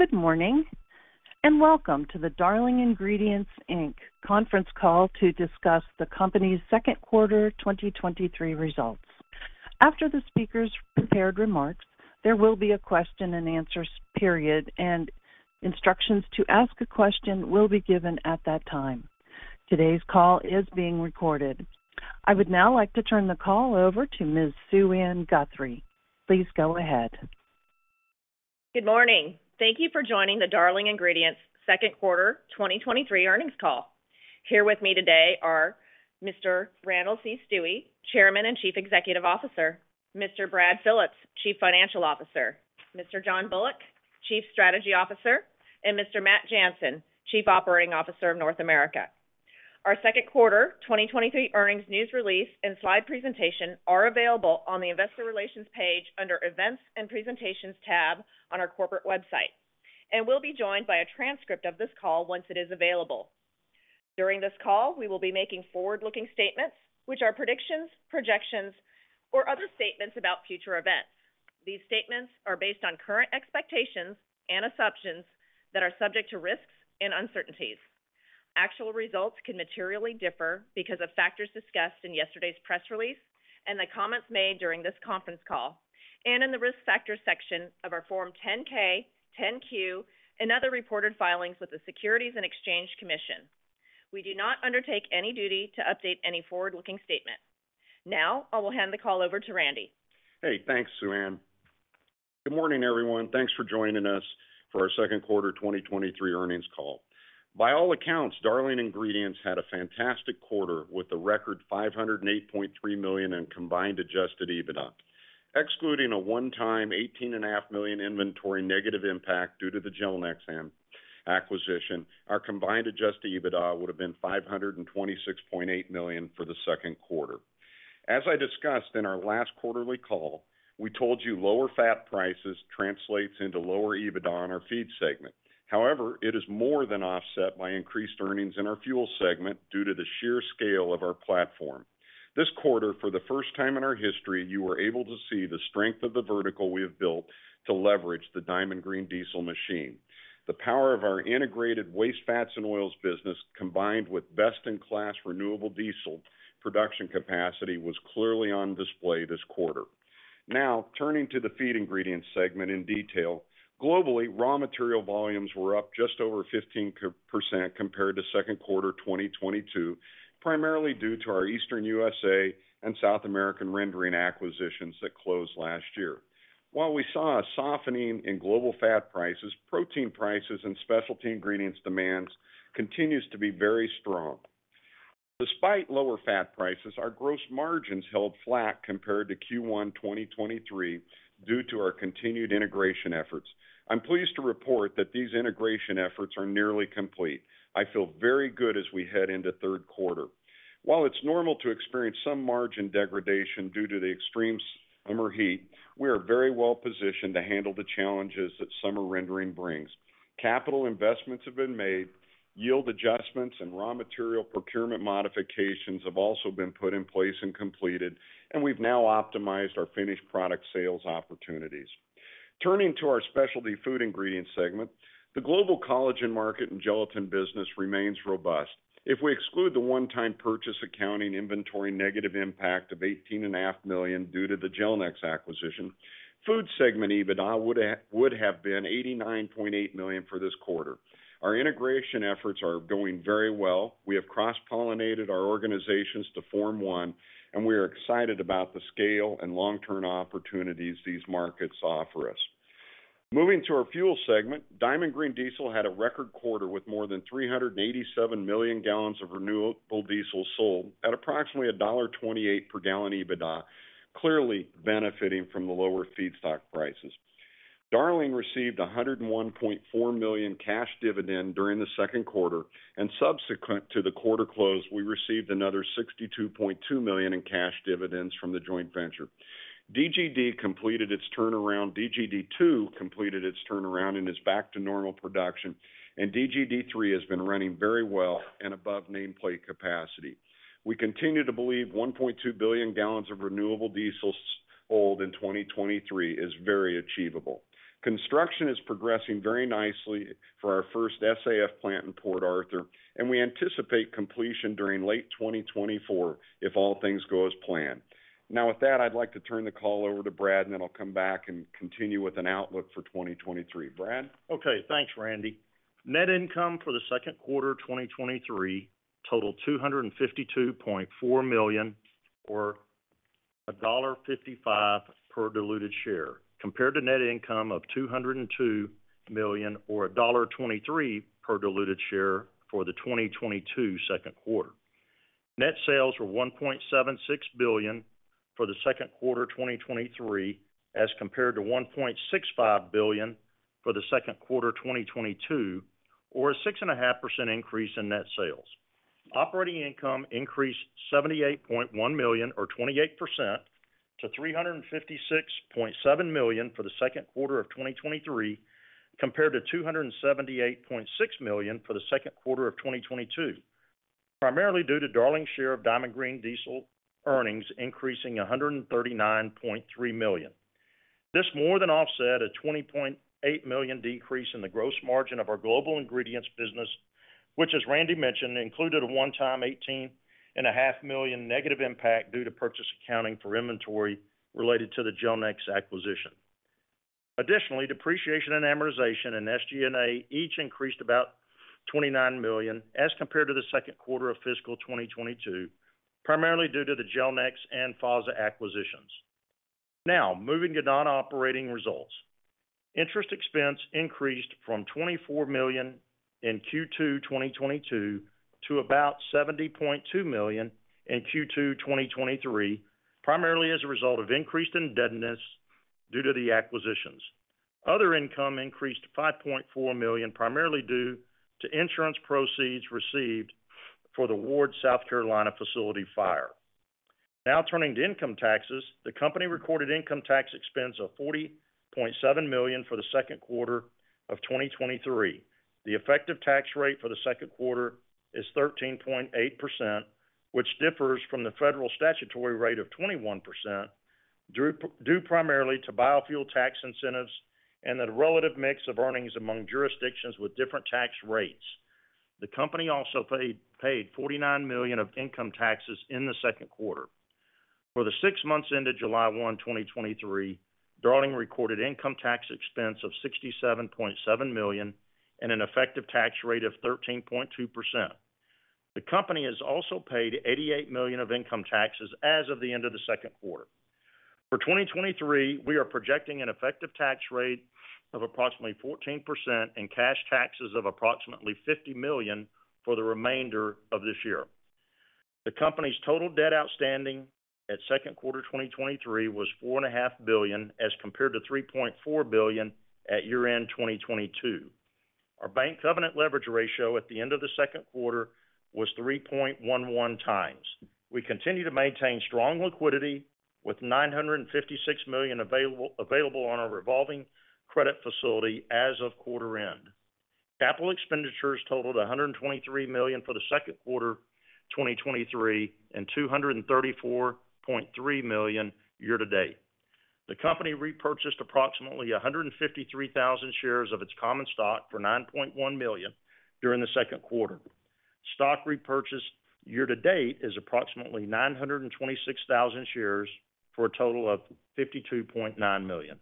Good morning, welcome to the Darling Ingredients, Inc. Conference Call to discuss the Company's Q2 2023 Results. After the speakers' prepared remarks, there will be a question and answer period, and instructions to ask a question will be given at that time. Today's call is being recorded. I would now like to turn the call over to Ms. Suann Guthrie. Please go ahead. Good morning. Thank you for joining the Darling Ingredients Q2 2023 earnings call. Here with me today are Mr. Randall C. Stuewe, Chairman and Chief Executive Officer, Mr. Brad Phillips, Chief Financial Officer, Mr. John Bullock, Chief Strategy Officer, and Mr. Matt Jansen, Chief Operating Officer of North America. Our Q2 2023 earnings news release and slide presentation are available on the Investor Relations page under Events and Presentations tab on our corporate website, will be joined by a transcript of this call once it is available. During this call, we will be making forward-looking statements, which are predictions, projections, or other statements about future events. These statements are based on current expectations and assumptions that are subject to risks and uncertainties. Actual results can materially differ because of factors discussed in yesterday's press release and the comments made during this conference call, and in the Risk Factors section of our Form 10-K, 10-Q, and other reported filings with the Securities and Exchange Commission. We do not undertake any duty to update any forward-looking statement. Now, I will hand the call over to Randy. Hey, thanks, Suann Guthrie. Good morning, everyone. Thanks for joining us for our Q2 2023 earnings call. By all accounts, Darling Ingredients had a fantastic quarter with a record $508.3 million in combined adjusted EBITDA. Excluding a one-time $18.5 million inventory negative impact due to the Gelnex acquisition, our combined adjusted EBITDA would have been $526.8 million for the Q2. As I discussed in our last quarterly call, we told you lower fat prices translates into lower EBITDA on our feed segment. However, it is more than offset by increased earnings in our fuel segment due to the sheer scale of our platform. This quarter, for the first time in our history, you were able to see the strength of the vertical we have built to leverage the Diamond Green Diesel machine. The power of our integrated waste fats and oils business, combined with best-in-class renewable diesel production capacity, was clearly on display this quarter. Turning to the feed ingredient segment in detail. Globally, raw material volumes were up just over 15% compared to Q2 2022, primarily due to our Eastern USA and South American rendering acquisitions that closed last year. While we saw a softening in global fat prices, protein prices and specialty ingredients demands continues to be very strong. Despite lower fat prices, our gross margins held flat compared to Q1 2023 due to our continued integration efforts. I'm pleased to report that these integration efforts are nearly complete. I feel very good as we head into Q3. While it's normal to experience some margin degradation due to the extreme summer heat, we are very well positioned to handle the challenges that summer rendering brings. Capital investments have been made, yield adjustments and raw material procurement modifications have also been put in place and completed. We've now optimized our finished product sales opportunities. Turning to our specialty food ingredients segment, the global collagen market and gelatin business remains robust. If we exclude the one-time purchase accounting inventory negative impact of $18.5 million due to the Gelnex acquisition, food segment EBITDA would have been $89.8 million for this quarter. Our integration efforts are going very well. We have cross-pollinated our organizations to form one. We are excited about the scale and long-term opportunities these markets offer us. Moving to our fuel segment, Diamond Green Diesel had a record quarter with more than 387 million gallons of renewable diesel sold at approximately $1.28 per gallon EBITDA, clearly benefiting from the lower feedstock prices. Darling received $101.4 million cash dividend during the Q2, and subsequent to the quarter close, we received another $62.2 million in cash dividends from the joint venture. DGD completed its turnaround. DGD 2 completed its turnaround and is back to normal production, and DGD 3 has been running very well and above nameplate capacity. We continue to believe 1.2 billion gallons of renewable diesel sold in 2023 is very achievable. Construction is progressing very nicely for our first SAF plant in Port Arthur, and we anticipate completion during late 2024, if all things go as planned. With that, I'd like to turn the call over to Brad, then I'll come back and continue with an outlook for 2023. Brad? Okay, thanks, Randy. Net income for the Q2 of 2023 totaled $252.4 million, or $1.55 per diluted share, compared to net income of $202 million or $1.23 per diluted share for the 2022 Q2. Net sales were $1.76 billion for the Q2 of 2023, as compared to $1.65 billion for the Q2 of 2022, or a 6.5% increase in net sales. Operating income increased $78.1 million or 28% to $356.7 million for the Q2 of 2023, compared to $278.6 million for the Q2 of 2022.... primarily due to Darling's share of Diamond Green Diesel earnings increasing $139.3 million. This more than offset a $20.8 million decrease in the gross margin of our global ingredients business, which, as Randy mentioned, included a one-time $18.5 million negative impact due to purchase accounting for inventory related to the Gelnex acquisition. Additionally, depreciation and amortization and SG&A each increased about $29 million as compared to the Q2 of fiscal 2022, primarily due to the Gelnex and FASA acquisitions. Moving to non-operating results. Interest expense increased from $24 million in Q2 2022 to about $70.2 million in Q2 2023, primarily as a result of increased indebtedness due to the acquisitions. Other income increased to $5.4 million, primarily due to insurance proceeds received for the Ward, South Carolina, facility fire. Now turning to income taxes. The company recorded income tax expense of $40.7 million for the Q2 of 2023. The effective tax rate for the Q2 is 13.8%, which differs from the federal statutory rate of 21%, due primarily to biofuel tax incentives and the relative mix of earnings among jurisdictions with different tax rates. The company also paid $49 million of income taxes in the Q2. For the six months ended July 1, 2023, Darling recorded income tax expense of $67.7 million and an effective tax rate of 13.2%. The company has also paid $88 million of income taxes as of the end of the Q2. For 2023, we are projecting an effective tax rate of approximately 14% and cash taxes of approximately $50 million for the remainder of this year. The company's total debt outstanding at Q2 2023 was $4.5 billion, as compared to $3.4 billion at year-end 2022. Our bank covenant leverage ratio at the end of the Q2 was 3.11 times. We continue to maintain strong liquidity, with $956 million available on our revolving credit facility as of quarter end. Capital expenditures totaled $123 million for the Q2 2023, and $234.3 million year to date. The company repurchased approximately 153,000 shares of its common stock for $9.1 million during the Q2. Stock repurchase year to date is approximately 926,000 shares for a total of $52.9 million.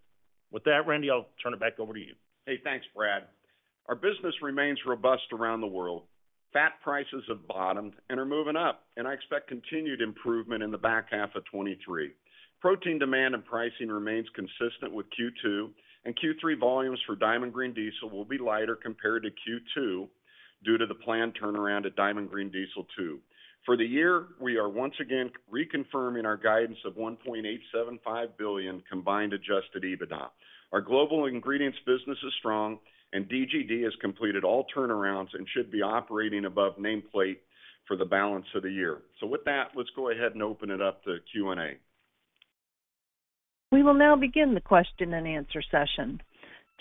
With that, Randy, I'll turn it back over to you. Hey, thanks, Brad. Our business remains robust around the world. Fat prices have bottomed and are moving up, I expect continued improvement in the back half of 2023. Protein demand and pricing remains consistent with Q2, Q3 volumes for Diamond Green Diesel will be lighter compared to Q2 due to the planned turnaround at Diamond Green Diesel 2. For the year, we are once again reconfirming our guidance of $1.875 billion combined adjusted EBITDA. Our global ingredients business is strong and DGD has completed all turnarounds and should be operating above nameplate for the balance of the year. With that, let's go ahead and open it up to Q&A. We will now begin the question-and-answer session.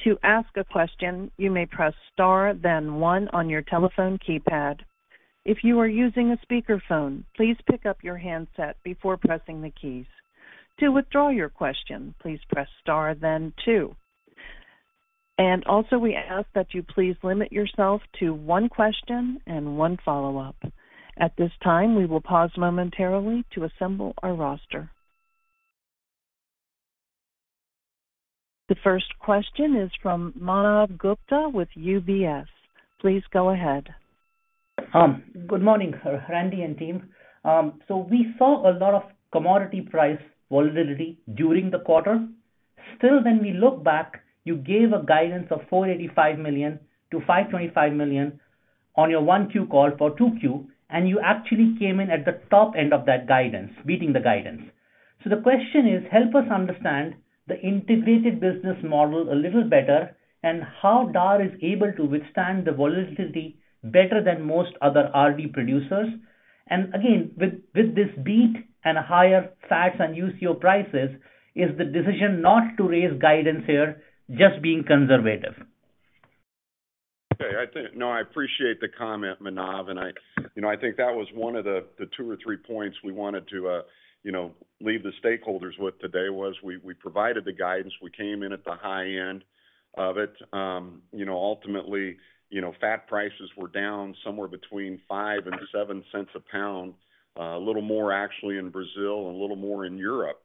To ask a question, you may press star, then one on your telephone keypad. If you are using a speakerphone, please pick up your handset before pressing the keys. To withdraw your question, please press star, then two. Also, we ask that you please limit yourself to one question and one follow-up. At this time, we will pause momentarily to assemble our roster. The first question is from Manav Gupta with UBS. Please go ahead. Good morning, sir, Randy and team. We saw a lot of commodity price volatility during the quarter. Still, when we look back, you gave a guidance of $485-$525 million on your 1Q call for 2Q, you actually came in at the top end of that guidance, beating the guidance. The question is: help us understand the integrated business model a little better and how DAR is able to withstand the volatility better than most other RD producers. Again, with this beat and higher fats and UCO prices, is the decision not to raise guidance here just being conservative? Okay, I think no, I appreciate the comment, Manav, and I, you know, I think that was one of the, the 2 or 3 points we wanted to, you know, leave the stakeholders with today, was we, we provided the guidance. We came in at the high end of it. You know, ultimately, you know, fat prices were down somewhere between $0.05-$0.07 a pound, a little more actually in Brazil and a little more in Europe.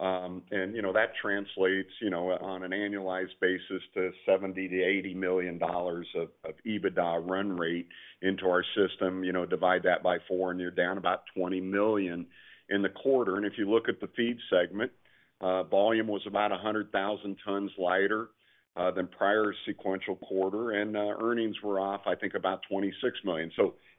You know, that translates, you know, on an annualized basis, to $70-$80 million of, of EBITDA run rate into our system. You know, divide that by 4, and you're down about $20 million in the quarter. If you look at the feed segment, volume was about 100,000 tons lighter than prior sequential quarter, and earnings were off, I think, about $26 million.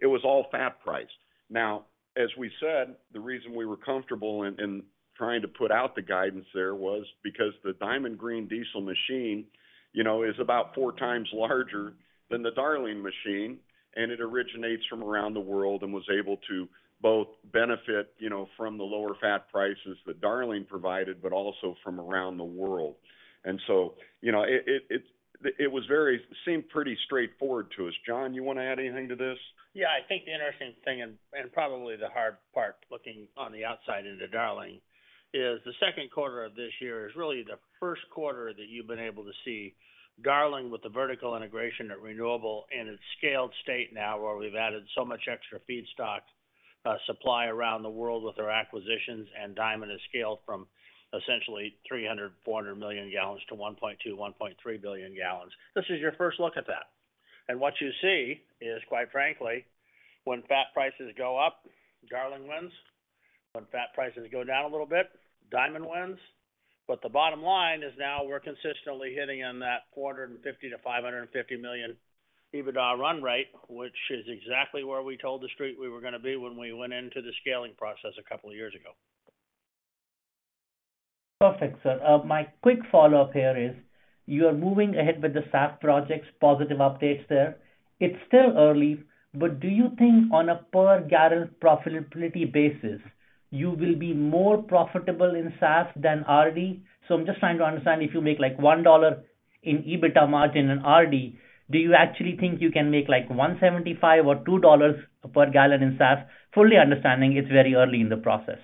It was all fat price. Now, as we said, the reason we were comfortable in, in trying to put out the guidance there was because the Diamond Green Diesel machine, you know, is about 4 times larger than the Darling machine, and it originates from around the world and was able to both benefit, you know, from the lower fat prices that Darling provided, but also from around the world. You know, it seemed pretty straightforward to us. John, you want to add anything to this? Yeah, I think the interesting thing, and probably the hard part, looking on the outside into Darling, is the Q2 of this year is really the Q1 that you've been able to see Darling with the vertical integration at Renewable and its scaled state now, where we've added so much extra feedstock. supply around the world with our acquisitions. Diamond has scaled from essentially 300, 400 million gallons to 1.2, 1.3 billion gallons. This is your first look at that. What you see is, quite frankly, when fat prices go up, Darling wins. When fat prices go down a little bit, Diamond wins. The bottom line is now we're consistently hitting on that $450-$550 million EBITDA run rate, which is exactly where we told the street we were gonna be when we went into the scaling process a couple of years ago. Perfect, sir. My quick follow-up here is, you are moving ahead with the SAF projects, positive updates there. It's still early, but do you think on a per gallon profitability basis, you will be more profitable in SAF than RD? I'm just trying to understand, if you make like $1 in EBITDA margin in RD, do you actually think you can make, like, $1.75 or $2 per gallon in SAF, fully understanding it's very early in the process?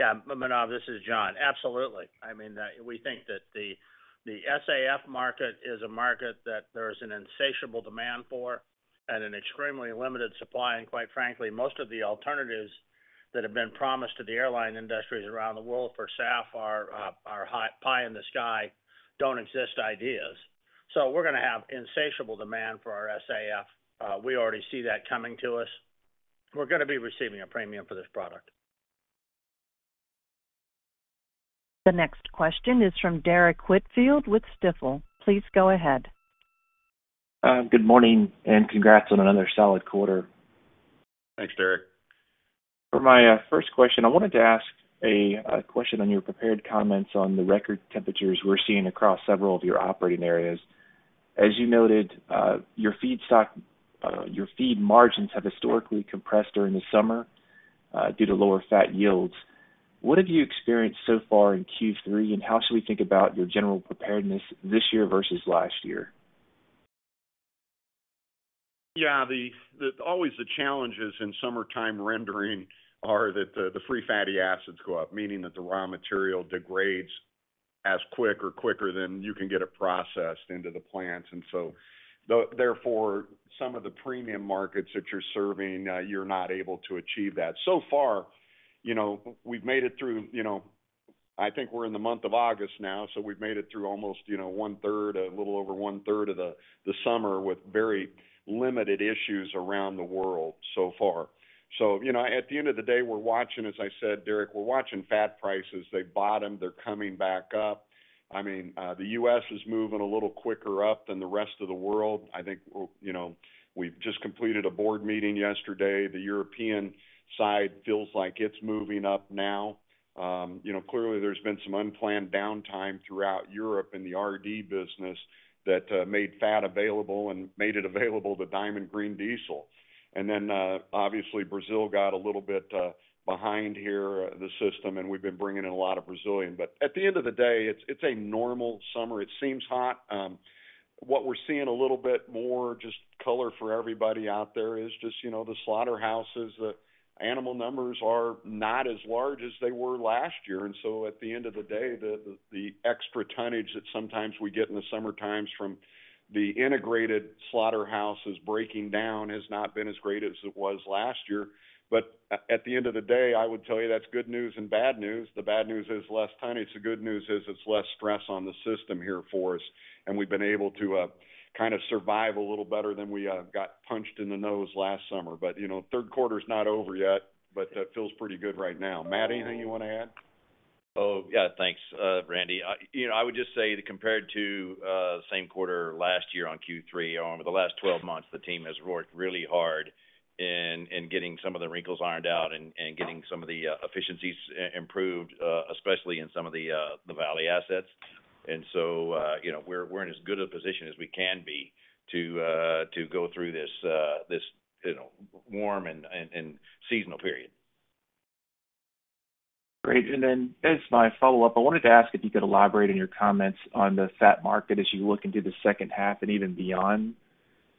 Yeah, Manav, this is John. Absolutely. I mean, we think that the SAF market is a market that there is an insatiable demand for and an extremely limited supply. Quite frankly, most of the alternatives that have been promised to the airline industries around the world for SAF are high pie in the sky, don't exist ideas. We're gonna have insatiable demand for our SAF. We already see that coming to us. We're gonna be receiving a premium for this product. The next question is from Derrick Whitfield with Stifel. Please go ahead. Good morning, and congrats on another solid quarter. Thanks, Derek. For my first question, I wanted to ask a question on your prepared comments on the record temperatures we're seeing across several of your operating areas. As you noted, your feed margins have historically compressed during the summer, due to lower fat yields. What have you experienced so far in Q3, and how should we think about your general preparedness this year versus last year? Yeah, the always the challenges in summertime rendering are that the free fatty acids go up, meaning that the raw material degrades as quick or quicker than you can get it processed into the plants. So therefore, some of the premium markets that you're serving, you're not able to achieve that. So far, you know, we've made it through, you know, I think we're in the month of August now, so we've made it through almost, you know, 1 third, a little over 1 third of the summer, with very limited issues around the world so far. You know, at the end of the day, we're watching, as I said, Derek, we're watching fat prices. They've bottomed, they're coming back up. I mean, the U.S. is moving a little quicker up than the rest of the world. I think, well, you know, we've just completed a board meeting yesterday. The European side feels like it's moving up now. You know, clearly, there's been some unplanned downtime throughout Europe in the RD business that made fat available and made it available to Diamond Green Diesel. Then, obviously, Brazil got a little bit behind here, the system, and we've been bringing in a lot of Brazilian. At the end of the day, it's a normal summer. It seems hot. What we're seeing a little bit more, just color for everybody out there, is just, you know, the slaughterhouses, the animal numbers are not as large as they were last year. At the end of the day, the, the, the extra tonnage that sometimes we get in the summer times from the integrated slaughterhouses breaking down has not been as great as it was last year. At the end of the day, I would tell you that's good news and bad news. The bad news is less tonnage. The good news is it's less stress on the system here for us, and we've been able to kind of survive a little better than we got punched in the nose last summer. You know, Q3 is not over yet, but that feels pretty good right now. Matt, anything you want to add? Oh, yeah. Thanks, Randy. You know, I would just say that compared to same quarter last year on Q3 or over the last 12 months, the team has worked really hard in getting some of the wrinkles ironed out and getting some of the efficiencies improved, especially in some of the Valley assets. You know, we're in as good a position as we can be to go through this, this, you know, warm and seasonal period. Great. Then as my follow-up, I wanted to ask if you could elaborate on your comments on the fat market as you look into the second half and even beyond.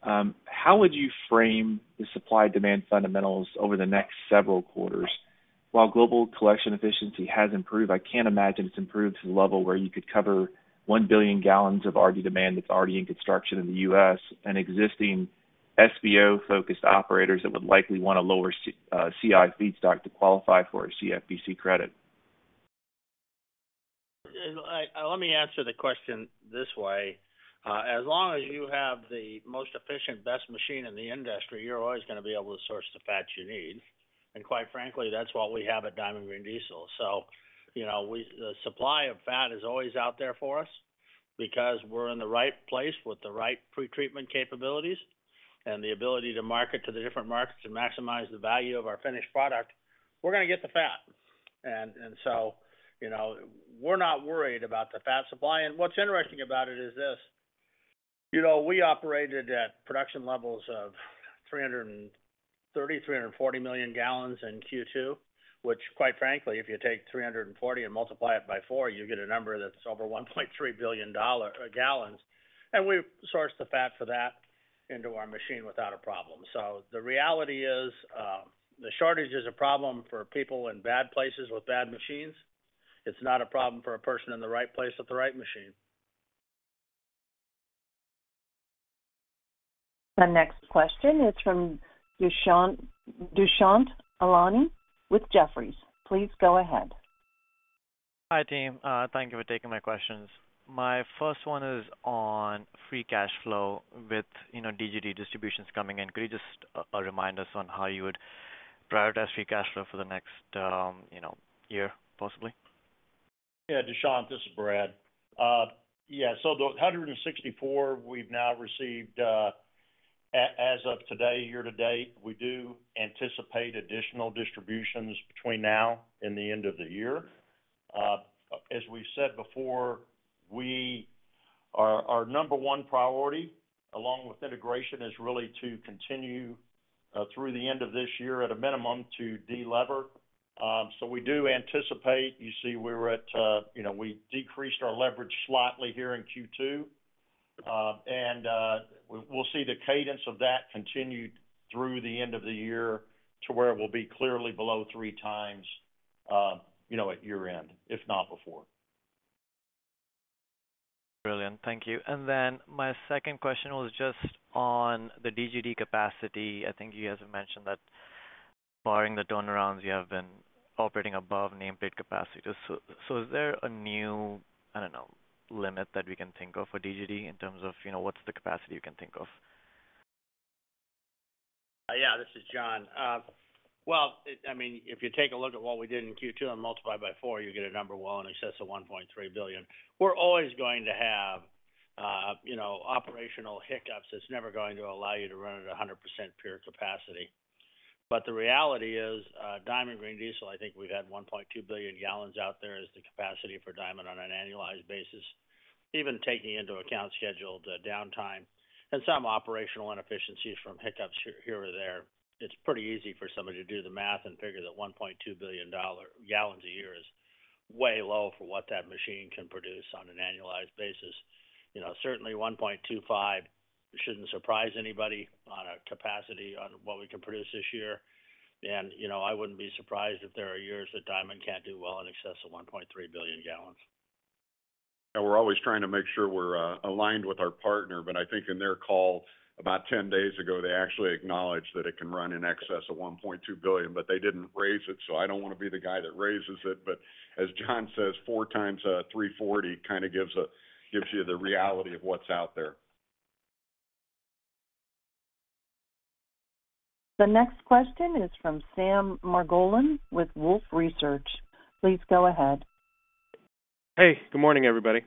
How would you frame the supply-demand fundamentals over the next several quarters? While global collection efficiency has improved, I can't imagine it's improved to the level where you could cover 1 billion gallons of RD demand that's already in construction in the U.S. and existing SVO-focused operators that would likely want a lower CI feedstock to qualify for a CFPC credit. Let me answer the question this way. As long as you have the most efficient, best machine in the industry, you're always gonna be able to source the fats you need. Quite frankly, that's what we have at Diamond Green Diesel. You know, the supply of fat is always out there for us because we're in the right place with the right pretreatment capabilities and the ability to market to the different markets to maximize the value of our finished product, we're gonna get the fat. You know, we're not worried about the fat supply. What's interesting about it is this: you know, we operated at production levels of 330, 340 million gallons in Q2, which, quite frankly, if you take 340 and multiply it by 4, you get a number that's over 1.3 billion gallons, and we sourced the fat for that into our machine without a problem. The reality is, the shortage is a problem for people in bad places with bad machines. It's not a problem for a person in the right place with the right machine. The next question is from Dushyant Ailani with Jefferies. Please go ahead. Hi, team. Thank you for taking my questions. My first one is on free cash flow with, you know, DGD distributions coming in. Could you just remind us on how you would prioritize free cash flow for the next, you know, year, possibly? Yeah, Dushant, this is Brad. Yeah, the 164 we've now received, as of today, year to date, we do anticipate additional distributions between now and the end of the year. As we said before, our, our number one priority, along with integration, is really to continue through the end of this year at a minimum, to delever. We do anticipate, you see, we were at, you know, we decreased our leverage slightly here in Q2. We'll see the cadence of that continued through the end of the year to where it will be clearly below three times, you know, at year-end, if not before. Brilliant. Thank you. Then my second question was just on the DGD capacity. I think you guys have mentioned that barring the turnarounds, you have been operating above nameplate capacity. So is there a new, I don't know, limit that we can think of for DGD in terms of, you know, what's the capacity you can think of? Yeah, this is John. Well, I mean, if you take a look at what we did in Q2 and multiply by 4, you get a number well in excess of $1.3 billion. We're always going to have, you know, operational hiccups that's never going to allow you to run at 100% pure capacity. The reality is, Diamond Green Diesel, I think we've had 1.2 billion gallons out there, is the capacity for Diamond on an annualized basis, even taking into account scheduled downtime and some operational inefficiencies from hiccups here, here or there. It's pretty easy for somebody to do the math and figure that 1.2 billion gallons a year is way low for what that machine can produce on an annualized basis. You know, certainly 1.25 shouldn't surprise anybody on a capacity on what we can produce this year. You know, I wouldn't be surprised if there are years that Diamond can't do well in excess of 1.3 billion gallons. We're always trying to make sure we're aligned with our partner. I think in their call about 10 days ago, they actually acknowledged that it can run in excess of $1.2 billion. They didn't raise it. I don't want to be the guy that raises it. As John says, 4 times 340 kind of gives, gives you the reality of what's out there. The next question is from Sam Margolin with Wolfe Research. Please go ahead. Hey, good morning, everybody.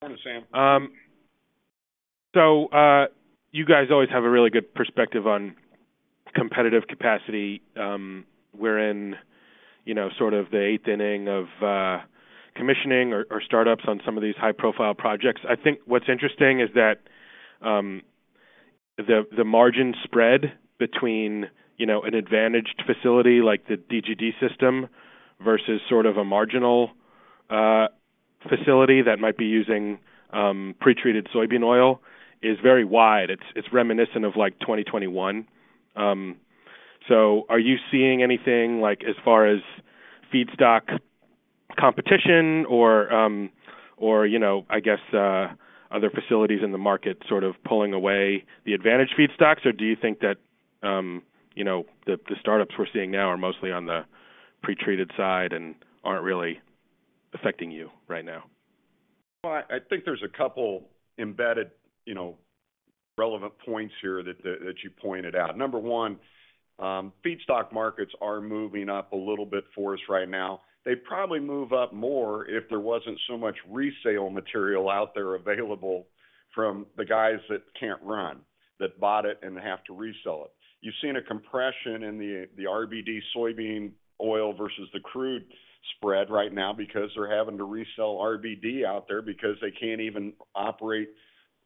Morning, Sam. You guys always have a really good perspective on competitive capacity, wherein, you know, sort of the eighth inning of commissioning or, or startups on some of these high-profile projects. I think what's interesting is that the margin spread between, you know, an advantaged facility like the DGD system versus sort of a marginal facility that might be using pretreated soybean oil is very wide. It's, it's reminiscent of, like, 2021. Are you seeing anything like as far as feedstock competition or, or, you know, I guess, other facilities in the market sort of pulling away the advantage feedstocks? Do you think that, you know, the startups we're seeing now are mostly on the pretreated side and aren't really affecting you right now? Well, I, I think there's a couple embedded, you know, relevant points here that, that, that you pointed out. Number one, feedstock markets are moving up a little bit for us right now. They'd probably move up more if there wasn't so much resale material out there available from the guys that can't run, that bought it and have to resell it. You've seen a compression in the, the RBD soybean oil versus the crude spread right now because they're having to resell RBD out there because they can't even operate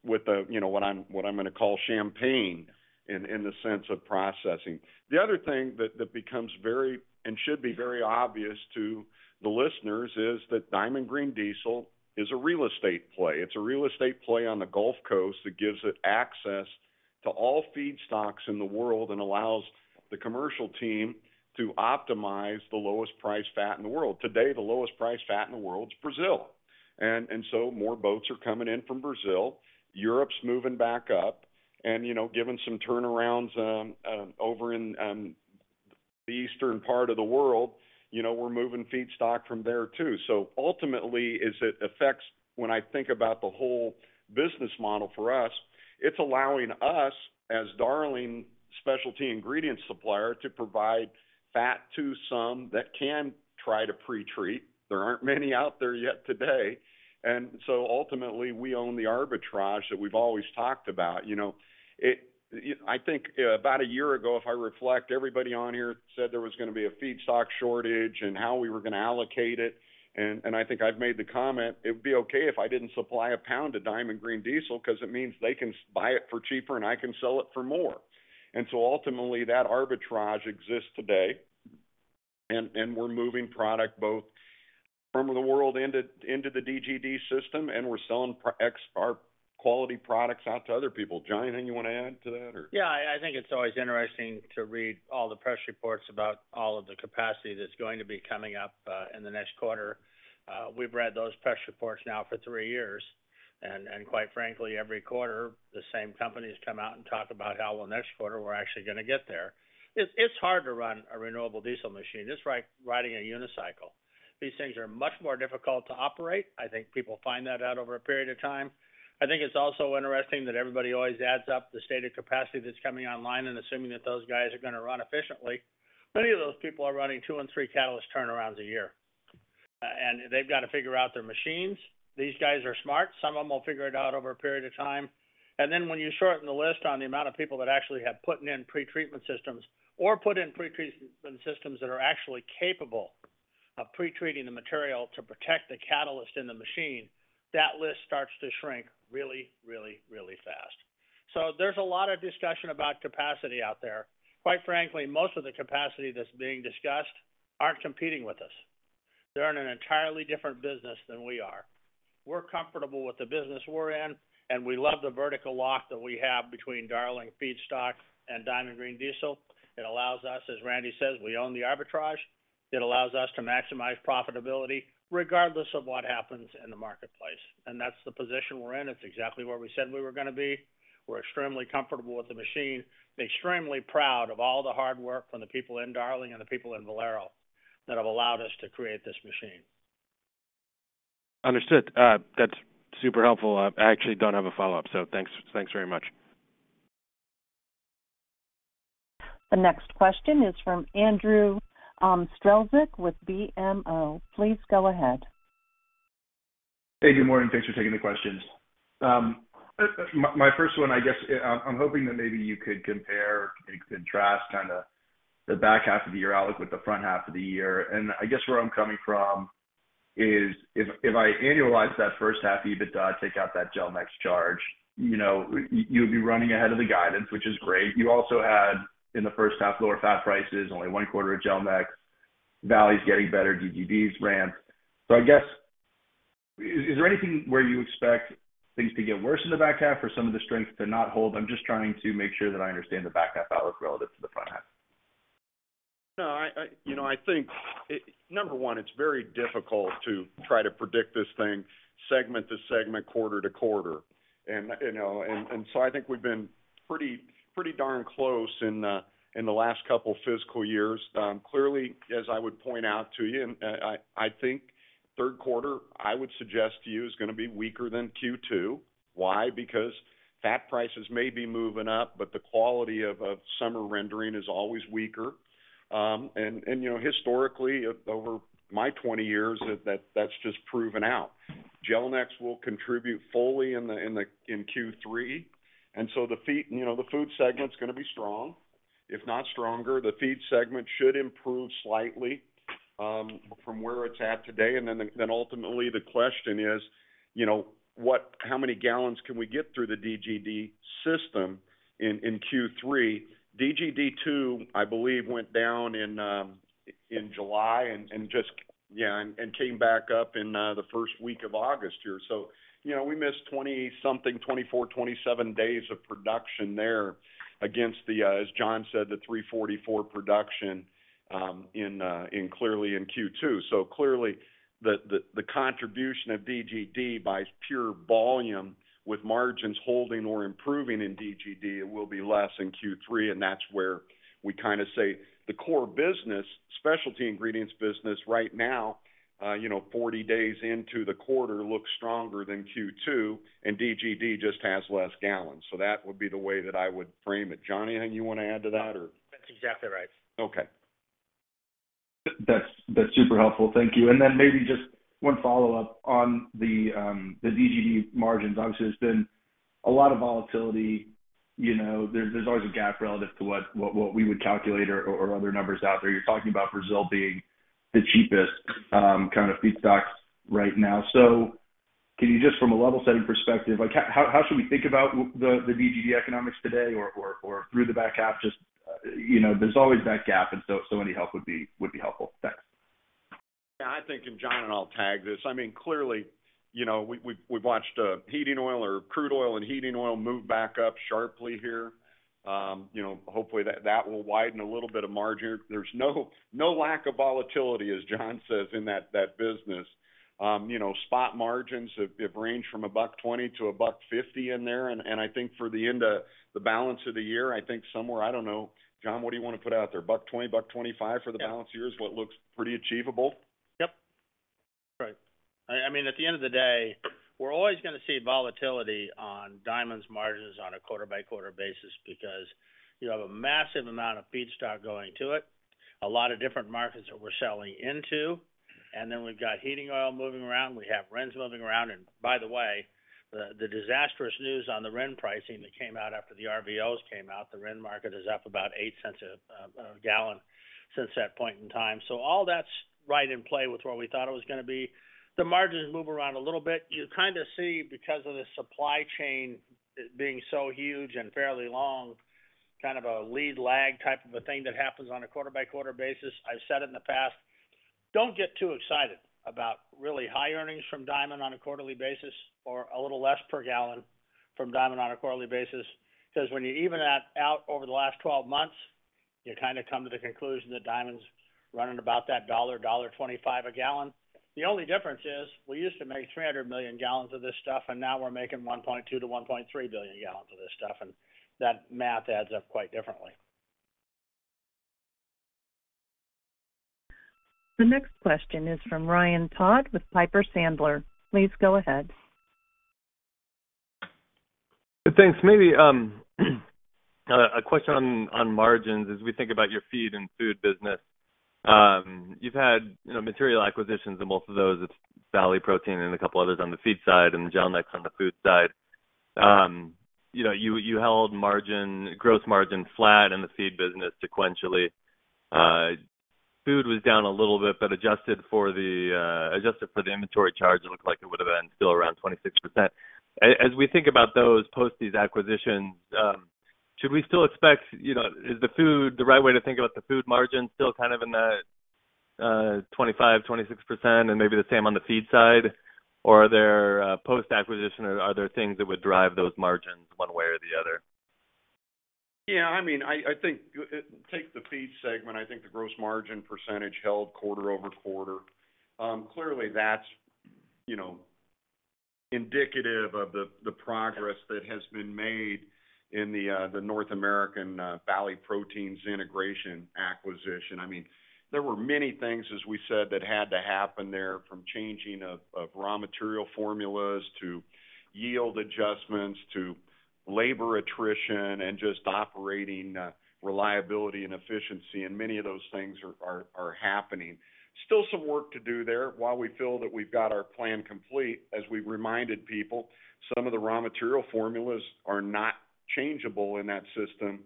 with the, you know, what I'm, what I'm going to call champagne in, in the sense of processing. The other thing that, that becomes very and should be very obvious to the listeners is that Diamond Green Diesel is a real estate play. It's a real estate play on the Gulf Coast that gives it access to all feedstocks in the world and allows the commercial team to optimize the lowest priced fat in the world. Today, the lowest priced fat in the world is Brazil. More boats are coming in from Brazil, Europe's moving back up, and, you know, given some turnarounds over in the eastern part of the world, you know, we're moving feedstock from there, too. Ultimately, as it affects when I think about the whole business model for us, it's allowing us, as Darling Specialty Ingredients supplier, to provide fat to some that can try to pretreat. There aren't many out there yet today. Ultimately, we own the arbitrage that we've always talked about. You know, I think about a year ago, if I reflect, everybody on here said there was gonna be a feedstock shortage and how we were gonna allocate it. I think I've made the comment, it would be okay if I didn't supply a pound of Diamond Green Diesel because it means they can buy it for cheaper, and I can sell it for more. So ultimately, that arbitrage exists today, and we're moving product both from the world into the DGD system, and we're selling our quality products out to other people. John, anything you want to add to that or? Yeah, I, I think it's always interesting to read all the press reports about all of the capacity that's going to be coming up in the next quarter. We've read those press reports now for 3 years, and, and quite frankly, every quarter, the same companies come out and talk about how well next quarter we're actually gonna get there. It's, it's hard to run a renewable diesel machine. It's like riding a unicycle. These things are much more difficult to operate. I think people find that out over a period of time. I think it's also interesting that everybody always adds up the stated capacity that's coming online and assuming that those guys are gonna run efficiently. Many of those people are running 2 and 3 catalyst turnarounds a year, and they've got to figure out their machines. These guys are smart. Some of them will figure it out over a period of time. Then when you shorten the list on the amount of people that actually have putting in pre-treatment systems or put in pre-treatment systems that are actually capable of pre-treating the material to protect the catalyst in the machine, that list starts to shrink really, really, really fast. There's a lot of discussion about capacity out there. Quite frankly, most of the capacity that's being discussed aren't competing with us. They're in an entirely different business than we are. We're comfortable with the business we're in, and we love the vertical lock that we have between Darling Feedstock and Diamond Green Diesel. It allows us, as Randy says, we own the arbitrage. It allows us to maximize profitability regardless of what happens in the marketplace, and that's the position we're in. It's exactly where we said we were gonna be. We're extremely comfortable with the machine and extremely proud of all the hard work from the people in Darling and the people in Valero that have allowed us to create this machine. Understood. That's super helpful. I actually don't have a follow-up, so thanks, thanks very much. The next question is from Andrew Strelzik, with BMO. Please go ahead. Hey, good morning. Thanks for taking the questions. My, my first one, I guess, I'm hoping that maybe you could compare and contrast kinda the back half of the year outlook with the front half of the year. I guess where I'm coming from is, if, if I annualize that first half, EBITDA, take out that Gelnex charge, you know, you'll be running ahead of the guidance, which is great. You also had, in the first half, lower fat prices, only one quarter of Gelnex. Valley's getting better, DGD's ramp. I guess, is there anything where you expect things to get worse in the back half or some of the strength to not hold? I'm just trying to make sure that I understand the back half outlook relative to the front half. No, you know, I think, number 1, it's very difficult to try to predict this thing segment to segment, quarter to quarter. You know, so I think we've been pretty, pretty darn close in the last couple of fiscal years. Clearly, as I would point out to you, I think Q3, I would suggest to you, is gonna be weaker than Q2. Why? Because fat prices may be moving up, but the quality of summer rendering is always weaker. You know, historically, over my 20 years, that's just proven out. Gelnex will contribute fully in Q3. You know, the food segment's gonna be strong, if not stronger. The feed segment should improve slightly from where it's at today. Then ultimately, the question is, you know, how many gallons can we get through the DGD system in Q3? DGD 2, I believe, went down in July and came back up in the first week of August here. You know, we missed 20-something, 24, 27 days of production there against, as John said, the 344 production in clearly in Q2. Clearly, the contribution of DGD by pure volume, with margins holding or improving in DGD, it will be less in Q3, and that's where we kinda say the core business, specialty ingredients business, right now, you know, 40 days into the quarter, looks stronger than Q2, and DGD just has less gallons. That would be the way that I would frame it. John, anything you want to add to that or? That's exactly right. Okay. That's, that's super helpful. Thank you. Then maybe just one follow-up on the DGD margins. Obviously, there's been a lot of volatility. You know, there's, there's always a gap relative to what, what, what we would calculate or, or other numbers out there. You're talking about Brazil being the cheapest kind of feedstocks right now. Can you just from a level setting perspective, like, how, how should we think about the DGD economics today or, or, or through the back half? Just, you know, there's always that gap, and so, so any help would be, would be helpful. Thanks. Yeah, I think, John, and I'll tag this. I mean, clearly, you know, we've, we've, we've watched heating oil or crude oil and heating oil move back up sharply here. Hopefully, that, that will widen a little bit of margin. There's no, no lack of volatility, as John says, in that, that business. You know, spot margins have, have ranged from $1.20-$1.50 in there. I think for the end of the balance of the year, I think somewhere, I don't know, John, what do you want to put out there? $1.20, $1.25 for the balance year is what looks pretty achievable? Yep. Right. I mean, at the end of the day, we're always gonna see volatility on Diamond's margins on a quarter-by-quarter basis because you have a massive amount of feedstock going to it, a lot of different markets that we're selling into, and then we've got heating oil moving around, we have RINs moving around. By the way, the disastrous news on the RIN pricing that came out after the RVOs came out, the RIN market is up about $0.08 a gallon since that point in time. All that's right in play with where we thought it was gonna be. The margins move around a little bit. You kinda see, because of the supply chain being so huge and fairly long, kind of a lead lag type of a thing that happens on a quarter-by-quarter basis. I've said it in the past, don't get too excited about really high earnings from Diamond on a quarterly basis, or a little less per gallon from Diamond on a quarterly basis, because when you even that out over the last 12 months, you kind of come to the conclusion that Diamond's running about that $1-$1.25 a gallon. The only difference is, we used to make 300 million gallons of this stuff, and now we're making 1.2 billion-1.3 billion gallons of this stuff, and that math adds up quite differently. The next question is from Ryan Todd with Piper Sandler. Please go ahead. Thanks. Maybe a question on margins. As we think about your feed and food business, you've had, you know, material acquisitions, and most of those, it's Valley Proteins and a couple others on the feed side and Gelnex on the food side. You know, you, you held margin, gross margin flat in the feed business sequentially. Food was down a little bit, but adjusted for the adjusted for the inventory charge, it looked like it would have been still around 26%. As we think about those post these acquisitions, should we still expect, you know, is the food-- the right way to think about the food margin still kind of in the 25%-26% and maybe the same on the feed side? Are there, post-acquisition, or are there things that would drive those margins one way or the other? Yeah, I mean, I, I think, take the feed segment, I think the gross margin % held quarter-over-quarter. Clearly, that's, you know, indicative of the progress that has been made in the North American Valley Proteins integration acquisition. I mean, there were many things, as we said, that had to happen there, from changing of raw material formulas to yield adjustments, to labor attrition and just operating reliability and efficiency, and many of those things are happening. Still some work to do there. While we feel that we've got our plan complete, as we've reminded people, some of the raw material formulas are not changeable in that system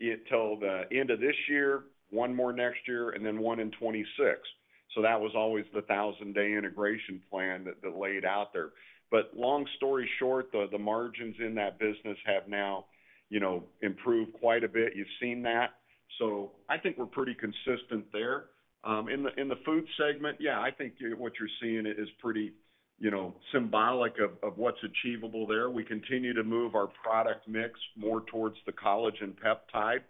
until the end of this year, one more next year, and then one in 2026. That was always the 1,000-day integration plan that laid out there. Long story short, the, the margins in that business have now, you know, improved quite a bit. You've seen that. I think we're pretty consistent there. In the, in the food segment, yeah, I think what you're seeing is pretty, you know, symbolic of, of what's achievable there. We continue to move our product mix more towards the collagen peptide.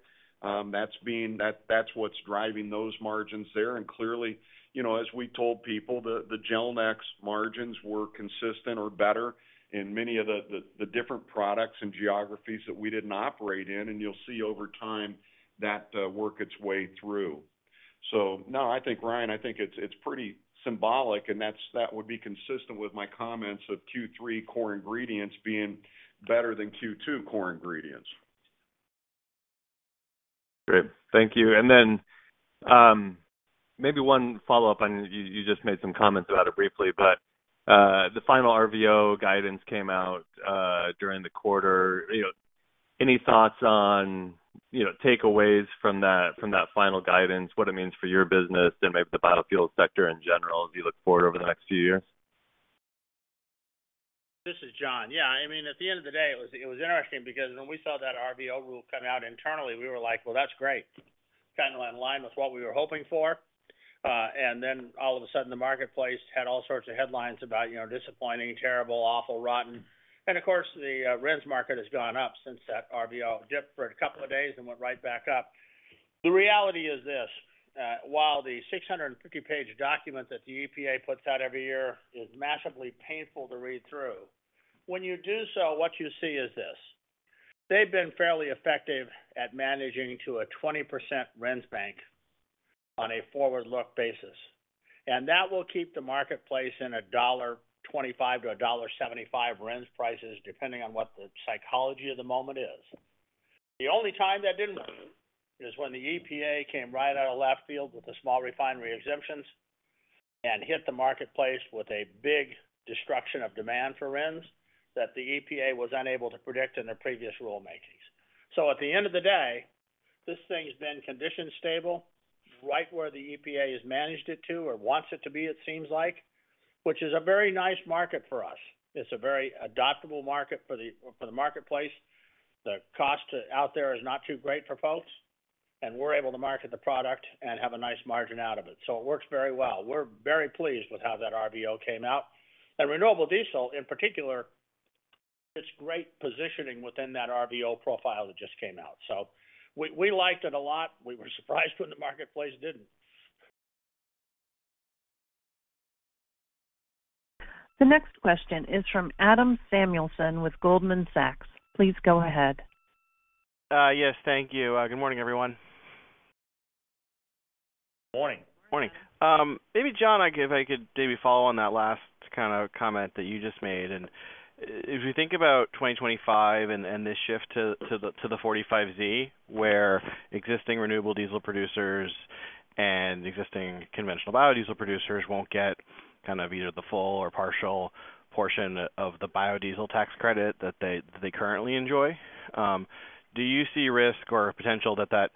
That's what's driving those margins there. Clearly, you know, as we told people, the, the Gelnex margins were consistent or better in many of the, the, the different products and geographies that we didn't operate in, and you'll see over time that work its way through. No, I think, Ryan, I think it's, it's pretty symbolic, and that's, that would be consistent with my comments of Q3 core ingredients being better than Q2 core ingredients. Great. Thank you. Then, maybe one follow-up on, you, you just made some comments about it briefly, but, the final RVO guidance came out during the quarter. You know, any thoughts on, you know, takeaways from that, from that final guidance, what it means for your business and maybe the biofuel sector in general as you look forward over the next few years? This is John. Yeah, I mean, at the end of the day, it was, it was interesting because when we saw that RVO rule come out internally, we were like, "Well, that's great." Kind of in line with what we were hoping for. All of a sudden, the marketplace had all sorts of headlines about, you know, disappointing, terrible, awful, rotten. Of course, the RINs market has gone up since that RVO dip for a couple of days and went right back up. The reality is this, while the 650-page document that the EPA puts out every year is massively painful to read through, when you do so, what you see is this: they've been fairly effective at managing to a 20% RINs bank on a forward-look basis, and that will keep the marketplace in a $1.25-$1.75 RINs prices, depending on what the psychology of the moment is. The only time that didn't work is when the EPA came right out of left field with the Small Refinery Exemptions and hit the marketplace with a big destruction of demand for RINs, that the EPA was unable to predict in their previous rulemakings. At the end of the day, this thing's been condition stable, right where the EPA has managed it to or wants it to be, it seems like, which is a very nice market for us. It's a very adaptable market for the marketplace. The cost out there is not too great for folks, and we're able to market the product and have a nice margin out of it. It works very well. We're very pleased with how that RVO came out. Renewable diesel, in particular, it's great positioning within that RVO profile that just came out. We liked it a lot. We were surprised when the marketplace didn't. The next question is from Adam Samuelson with Goldman Sachs. Please go ahead. Yes, thank you. Good morning, everyone. Morning. Morning. Maybe, John, if I could maybe follow on that last kind of comment that you just made. If you think about 2025 and this shift to the 45Z, where existing renewable diesel producers and existing conventional biodiesel producers won't get kind of either the full or partial portion of the Biodiesel Tax Credit that they currently enjoy, do you see risk or potential that that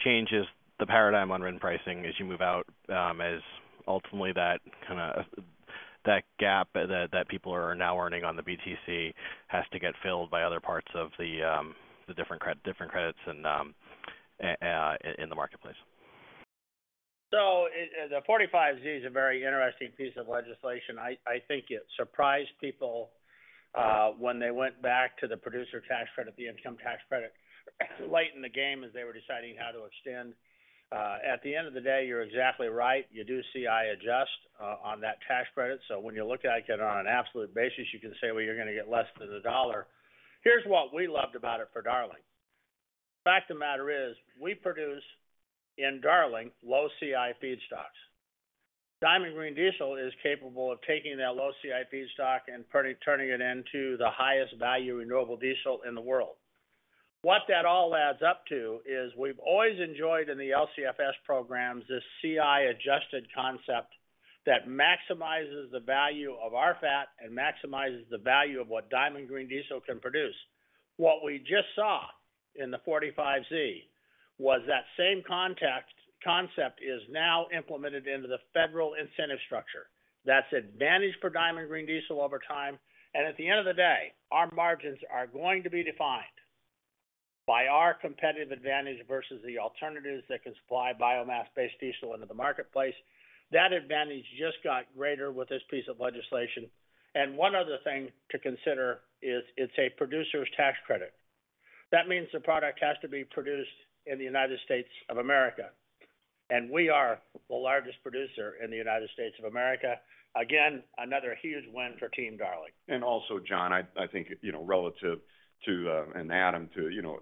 changes the paradigm on RINs pricing as you move out, as ultimately that kind of, that gap that people are now earning on the BTC has to get filled by other parts of the different credits and in the marketplace? It, the 45Z is a very interesting piece of legislation. I think it surprised people when they went back to the Producer's Tax Credit, the income tax credit, late in the game as they were deciding how to extend. At the end of the day, you're exactly right, you do see CI adjust on that tax credit. When you look at it on an absolute basis, you can say, well, you're gonna get less than $1. Here's what we loved about it for Darling. Fact of the matter is, we produce, in Darling, low CI feedstocks. Diamond Green Diesel is capable of taking that low CI feedstock and turning it into the highest value renewable diesel in the world. What that all adds up to is we've always enjoyed, in the LCFS programs, this CI adjusted concept that maximizes the value of our fat and maximizes the value of what Diamond Green Diesel can produce. What we just saw in the 45Z, was that same concept, is now implemented into the federal incentive structure. That's advantage for Diamond Green Diesel over time. At the end of the day, our margins are going to be defined by our competitive advantage versus the alternatives that can supply biomass-based diesel into the marketplace. That advantage just got greater with this piece of legislation. One other thing to consider is it's a Producer's Tax Credit. That means the product has to be produced in the United States of America. We are the largest producer in the United States of America. Again, another huge win for Team Darling. also, John, I, I think, you know, relative to, and Adam, to, you know,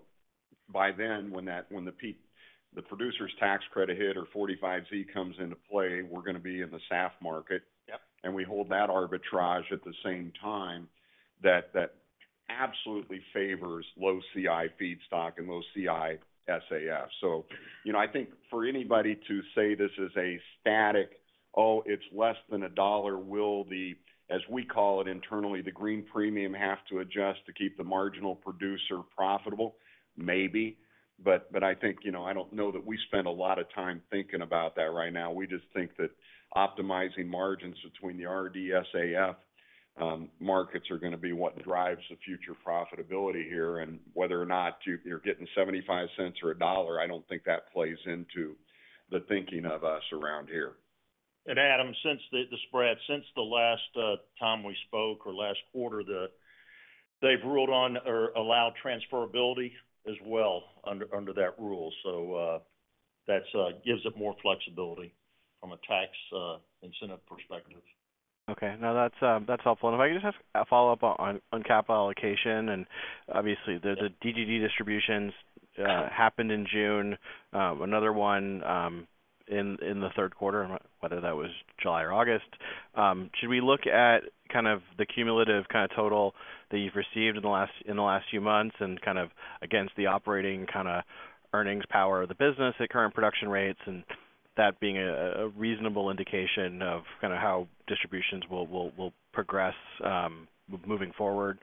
by then, when the Producer's Tax Credit hit or 45Z comes into play, we're gonna be in the SAF market. Yep. We hold that arbitrage at the same time, that, that absolutely favors low CI feedstock and low CI SAF. You know, I think for anybody to say this is a static, "Oh, it's less than $1," will the, as we call it internally, the green premium, have to adjust to keep the marginal producer profitable? Maybe. But I think, you know, I don't know that we spend a lot of time thinking about that right now. We just think that optimizing margins between the RD SAF markets are gonna be what drives the future profitability here, and whether or not you're getting $0.75 or $1, I don't think that plays into the thinking of us around here. Adam, since the, the spread, since the last time we spoke or last quarter, they've ruled on or allowed transferability as well under, under that rule. So, that's gives it more flexibility from a tax incentive perspective. Okay. No, that's that's helpful. If I could just have a follow-up on, on capital allocation, and obviously, there's a DGD distributions happened in June, another one in the Q3, whether that was July or August. Should we look at kind of the cumulative kind of total that you've received in the last, in the last few months, and kind of against the operating kind of earnings power of the business at current production rates, and that being a, a reasonable indication of kind of how distributions will, will, will progress moving forward?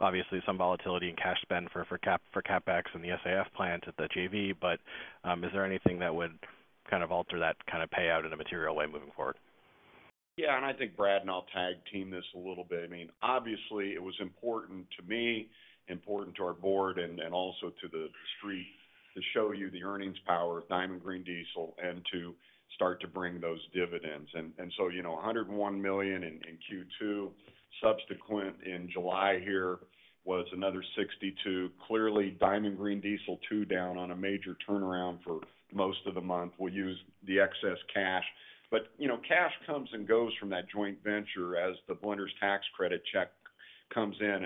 Obviously, some volatility in cash spend for CapEx and the SAF plant at the JV, but is there anything that would kind of alter that kind of payout in a material way moving forward? Yeah, I think Brad and I'll tag team this a little bit. I mean, obviously, it was important to me, important to our board, and also to the street, to show you the earnings power of Diamond Green Diesel and to start to bring those dividends. You know, $101 million in Q2, subsequent in July here, was another $62 million. Clearly, Diamond Green Diesel 2 down on a major turnaround for most of the month. We'll use the excess cash. You know, cash comes and goes from that joint venture as the Blender's Tax Credit check comes in.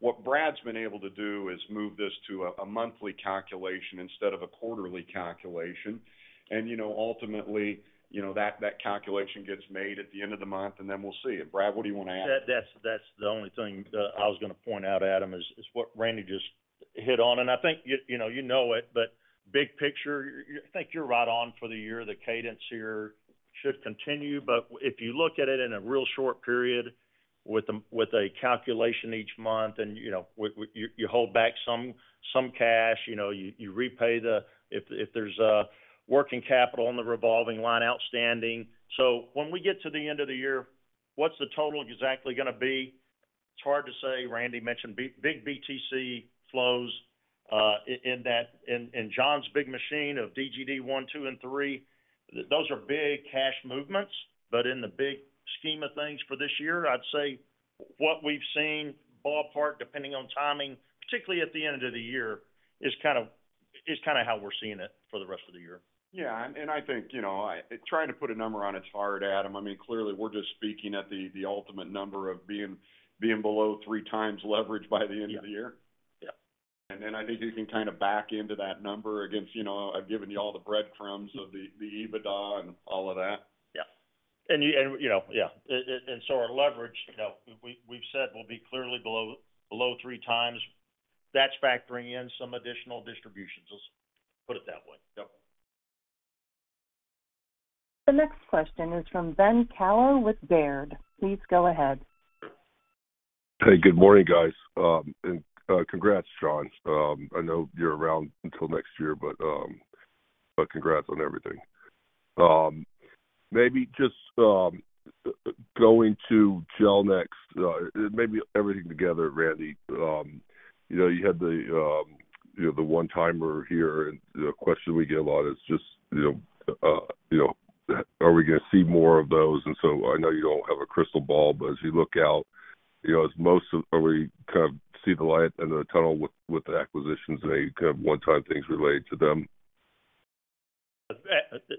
What Brad's been able to do is move this to a monthly calculation instead of a quarterly calculation. You know, ultimately, you know, that calculation gets made at the end of the month, and then we'll see it. Brad, what do you want to add? That, that's, that's the only thing I was gonna point out, Adam, is, is what Randy just hit on. I think you, you know, you know it, big picture, I think you're right on for the year. The cadence here should continue, if you look at it in a real short period with a, with a calculation each month and, you know, you, you hold back some, some cash, you know, you, you repay if, if there's a working capital on the revolving line, outstanding. When we get to the end of the year, what's the total exactly gonna be? It's hard to say. Randy mentioned big BTC flows in, in John's big machine of DGD 1, 2, and 3. Those are big cash movements, but in the big scheme of things for this year, I'd say what we've seen, ballpark, depending on timing, particularly at the end of the year, is kind of, is kind of how we're seeing it for the rest of the year. Yeah, I think, you know, trying to put a number on it, it's hard, Adam. I mean, clearly, we're just speaking at the, the ultimate number of being, being below 3 times leverage by the end of the year. Yeah. Then I think you can kind of back into that number against, you know, I've given you all the breadcrumbs of the EBITDA and all of that. Yeah. You, and, you know, yeah. Our leverage, you know, we, we've said will be clearly below, below 3 times. That's factoring in some additional distributions, let's put it that way. Yep. The next question is from Ben Kallo with Baird. Please go ahead. Hey, good morning, guys. Congrats, John. I know you're around until next year, congrats on everything. Maybe just going to Gelnex, maybe everything together, Randy. You know, you had the, you know, the one-timer here, the question we get a lot is just, you know, you know, are we going to see more of those? I know you don't have a crystal ball, as you look out, you know, are we kind of see the light in the tunnel with, with the acquisitions and any kind of one-time things related to them?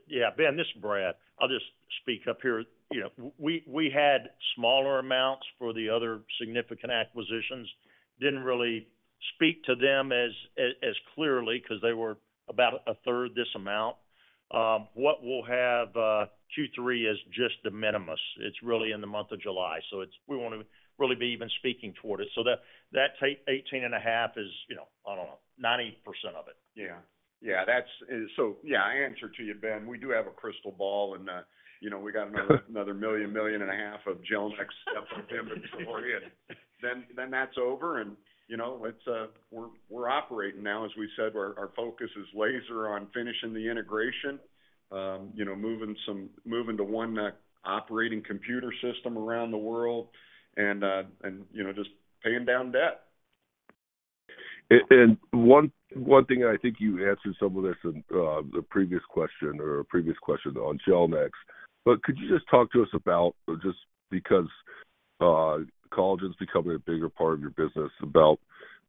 Yeah, Ben, this is Brad. I'll just speak up here. You know, we had smaller amounts for the other significant acquisitions. Didn't really speak to them as clearly, because they were about a third this amount. What we'll have, Q3 is just the minimus. It's really in the month of July, so we won't really be even speaking toward it. That, that tight 18.5 is, you know, I don't know, 90% of it. Yeah. Yeah, that's yeah, I answered to you, Ben. We do have a crystal ball, and, you know, we got another $1 million, $1.5 million of Gelnex up in before the end. Then that's over and, you know, it's, we're operating now. As we said, our, our focus is laser on finishing the integration, you know, moving to one operating computer system around the world and, you know, just paying down debt. One, one thing, I think you answered some of this in the previous question or a previous question on Gelnex, but could you just talk to us about, just because collagen is becoming a bigger part of your business, about,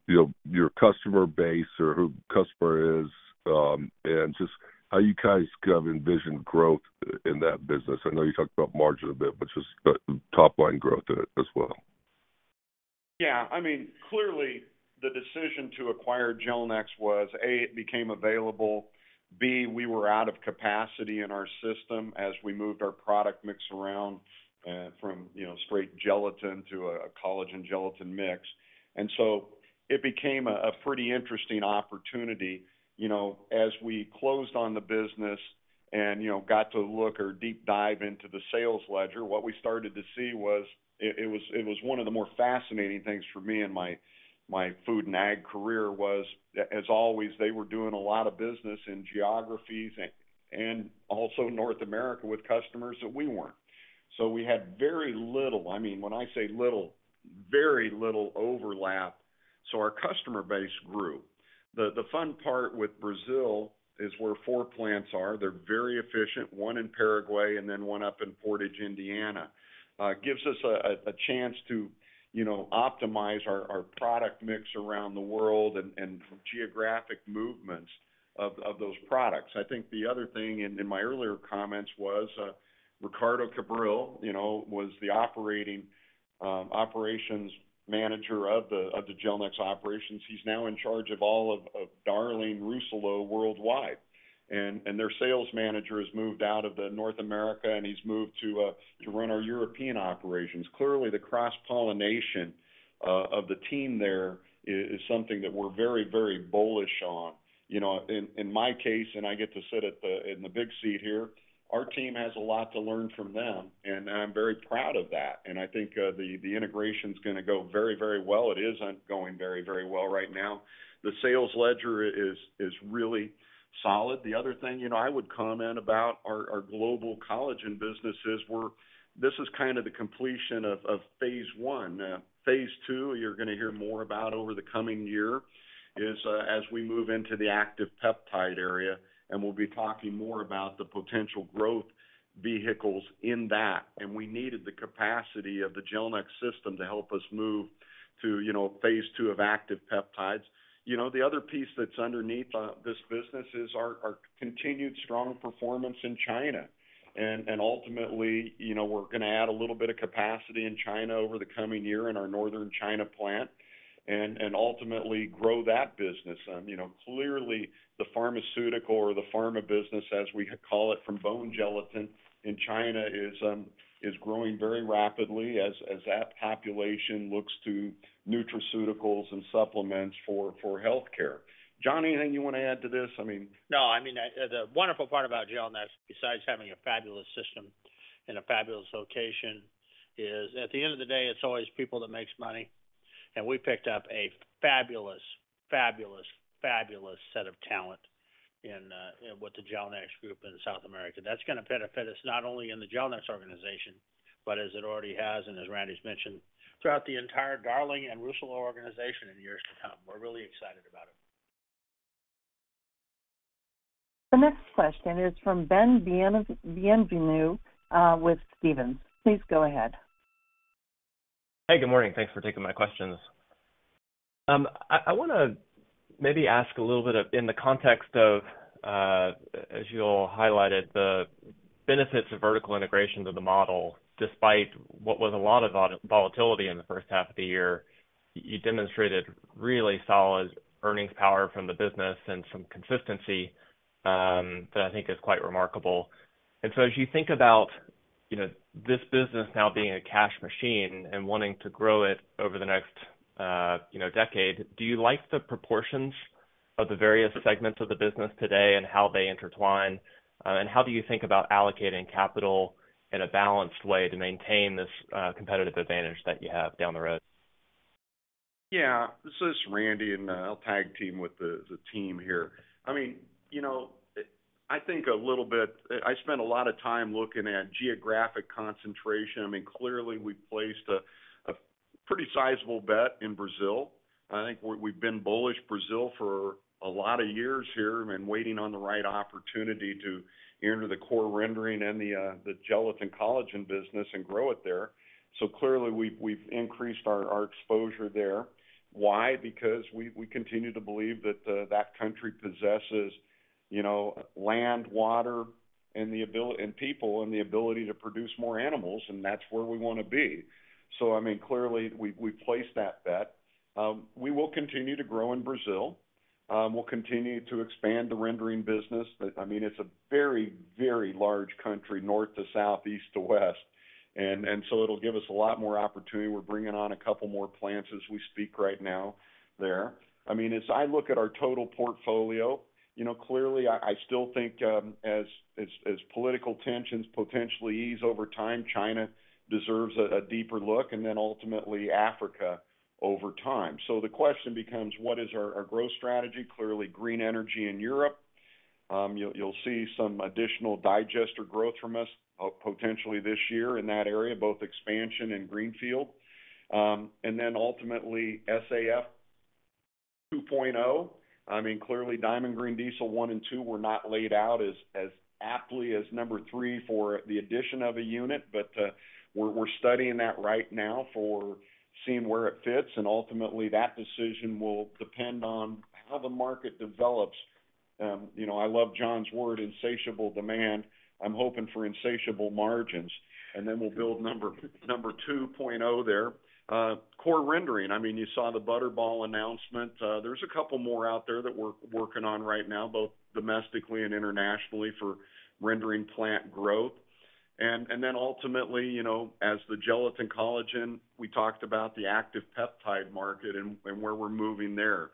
you know, your customer base or who customer is, and just how you guys kind of envision growth i-in that business? I know you talked about margin a bit, but just top line growth in it as well. Yeah, I mean, clearly, the decision to acquire Gelnex was, A, it became available, B, we were out of capacity in our system as we moved our product mix around from, you know, straight gelatin to a, a collagen gelatin mix. So it became a, a pretty interesting opportunity, you know, as we closed on the business and, you know, got to look or deep dive into the sales ledger, what we started to see was, it, it was, it was one of the more fascinating things for me and my, my food and ag career was as always, they were doing a lot of business in geographies and, and also North America, with customers that we weren't. We had very little, I mean, when I say little, very little overlap, so our customer base grew. The fun part with Brazil is where four plants are. They're very efficient, one in Paraguay and then one up in Portage, Indiana. Gives us a chance to, you know, optimize our product mix around the world and geographic movements of those products. I think the other thing in my earlier comments was Ricardo Cabral, you know, was the operating operations manager of the Gelnex operations. He's now in charge of all of Darling Rousselot worldwide. Their sales manager has moved out of the North America, and he's moved to run our European operations. Clearly, the cross-pollination of the team there is something that we're very, very bullish on. You know, in, in my case, and I get to sit in the big seat here, our team has a lot to learn from them, and I'm very proud of that. I think, the, the integration is going to go very, very well. It is going very, very well right now. The sales ledger is, is really solid. The other thing, you know, I would comment about our, our global collagen business is this is kind of the completion of, of phase one. Phase two, you're going to hear more about over the coming year, is as we move into the active peptide area. We'll be talking more about the potential growth vehicles in that. We needed the capacity of the Gelnex system to help us move to, you know, phase two of active peptides. You know, the other piece that's underneath this business is our, our continued strong performance in China. Ultimately, you know, we're going to add a little bit of capacity in China over the coming year in our Northern China plant and ultimately grow that business. You know, clearly, the pharmaceutical or the pharma business, as we call it, from bone gelatin in China, is growing very rapidly as, as that population looks to nutraceuticals and supplements for, for healthcare. John, anything you want to add to this? I mean. No, I mean, the wonderful part about Gelnex, besides having a fabulous system and a fabulous location, is at the end of the day, it's always people that makes money, and we picked up a fabulous, fabulous, fabulous set of talent in with the Gelnex group in South America. That's going to benefit us not only in the Gelnex organization, but as it already has, and as Randy's mentioned, throughout the entire Darling and Rousselot organization in years to come. We're really excited about it. The next question is from Ben Bienvenu, with Stephens Inc. Please go ahead. Hey, good morning. Thanks for taking my questions. I, I want to maybe ask a little bit of, in the context of, as you all highlighted, the benefits of vertical integration to the model, despite what was a lot of volatility in the first half of the year, you demonstrated really solid earnings power from the business and some consistency, that I think is quite remarkable. As you think about, you know, this business now being a cash machine and wanting to grow it over the next, you know, decade, do you like the proportions of the various segments of the business today and how they intertwine? How do you think about allocating capital in a balanced way to maintain this competitive advantage that you have down the road? Yeah, this is Randy. I'll tag team with the, the team here. I mean, you know, I spent a lot of time looking at geographic concentration. I mean, clearly, we've placed a, a pretty sizable bet in Brazil. I think we, we've been bullish Brazil for a lot of years here and waiting on the right opportunity to enter the core rendering and the, the gelatin collagen business and grow it there. Clearly, we've, we've increased our, our exposure there. Why? Because we, we continue to believe that country possesses, you know, land, water, and people, and the ability to produce more animals, and that's where we wanna be. I mean, clearly, we, we placed that bet. We will continue to grow in Brazil. We'll continue to expand the rendering business. I mean, it's a very, very large country, north to south, east to west. It'll give us a lot more opportunity. We're bringing on a couple more plants as we speak right now there. I mean, as I look at our total portfolio, you know, clearly, I, I still think, as, as, as political tensions potentially ease over time, China deserves a, a deeper look, and then ultimately, Africa over time. The question becomes: What is our, our growth strategy? Clearly, green energy in Europe. You'll, you'll see some additional digester growth from us, potentially this year in that area, both expansion and greenfield. And then ultimately, SAF 2.0. I mean, clearly, Diamond Green Diesel one and two were not laid out as, as aptly as number three for the addition of a unit, but we're, we're studying that right now for seeing where it fits, and ultimately, that decision will depend on how the market develops. You know, I love John's word, insatiable demand. I'm hoping for insatiable margins, and then we'll build number, number 2.0 there. Core rendering, I mean, you saw the Butterball announcement. There's a couple more out there that we're working on right now, both domestically and internationally, for rendering plant growth. Then ultimately, you know, as the gelatin collagen, we talked about the active peptide market and, and where we're moving there.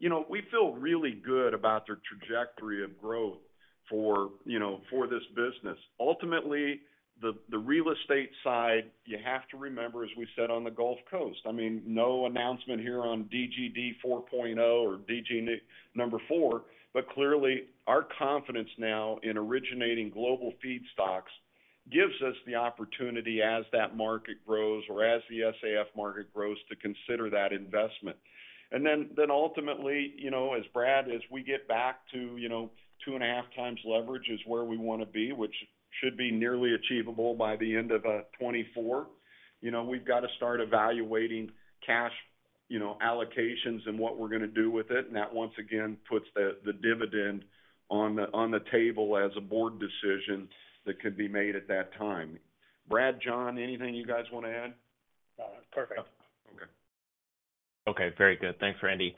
You know, we feel really good about the trajectory of growth for, you know, for this business. Ultimately, the, the real estate side, you have to remember, as we said, on the Gulf Coast, I mean, no announcement here on DGD 4.0 or DG number 4, but clearly, our confidence now in originating global feedstocks gives us the opportunity as that market grows or as the SAF market grows, to consider that investment. Then, then ultimately, you know, as Brad, as we get back to, you know, 2.5 times leverage is where we wanna be, which should be nearly achievable by the end of 2024, you know, we've got to start evaluating cash, you know, allocations and what we're gonna do with it. That, once again, puts the, the dividend on the, on the table as a board decision that could be made at that time. Brad, John, anything you guys wanna add? No. Perfect. Okay. Okay, very good. Thanks, Randy.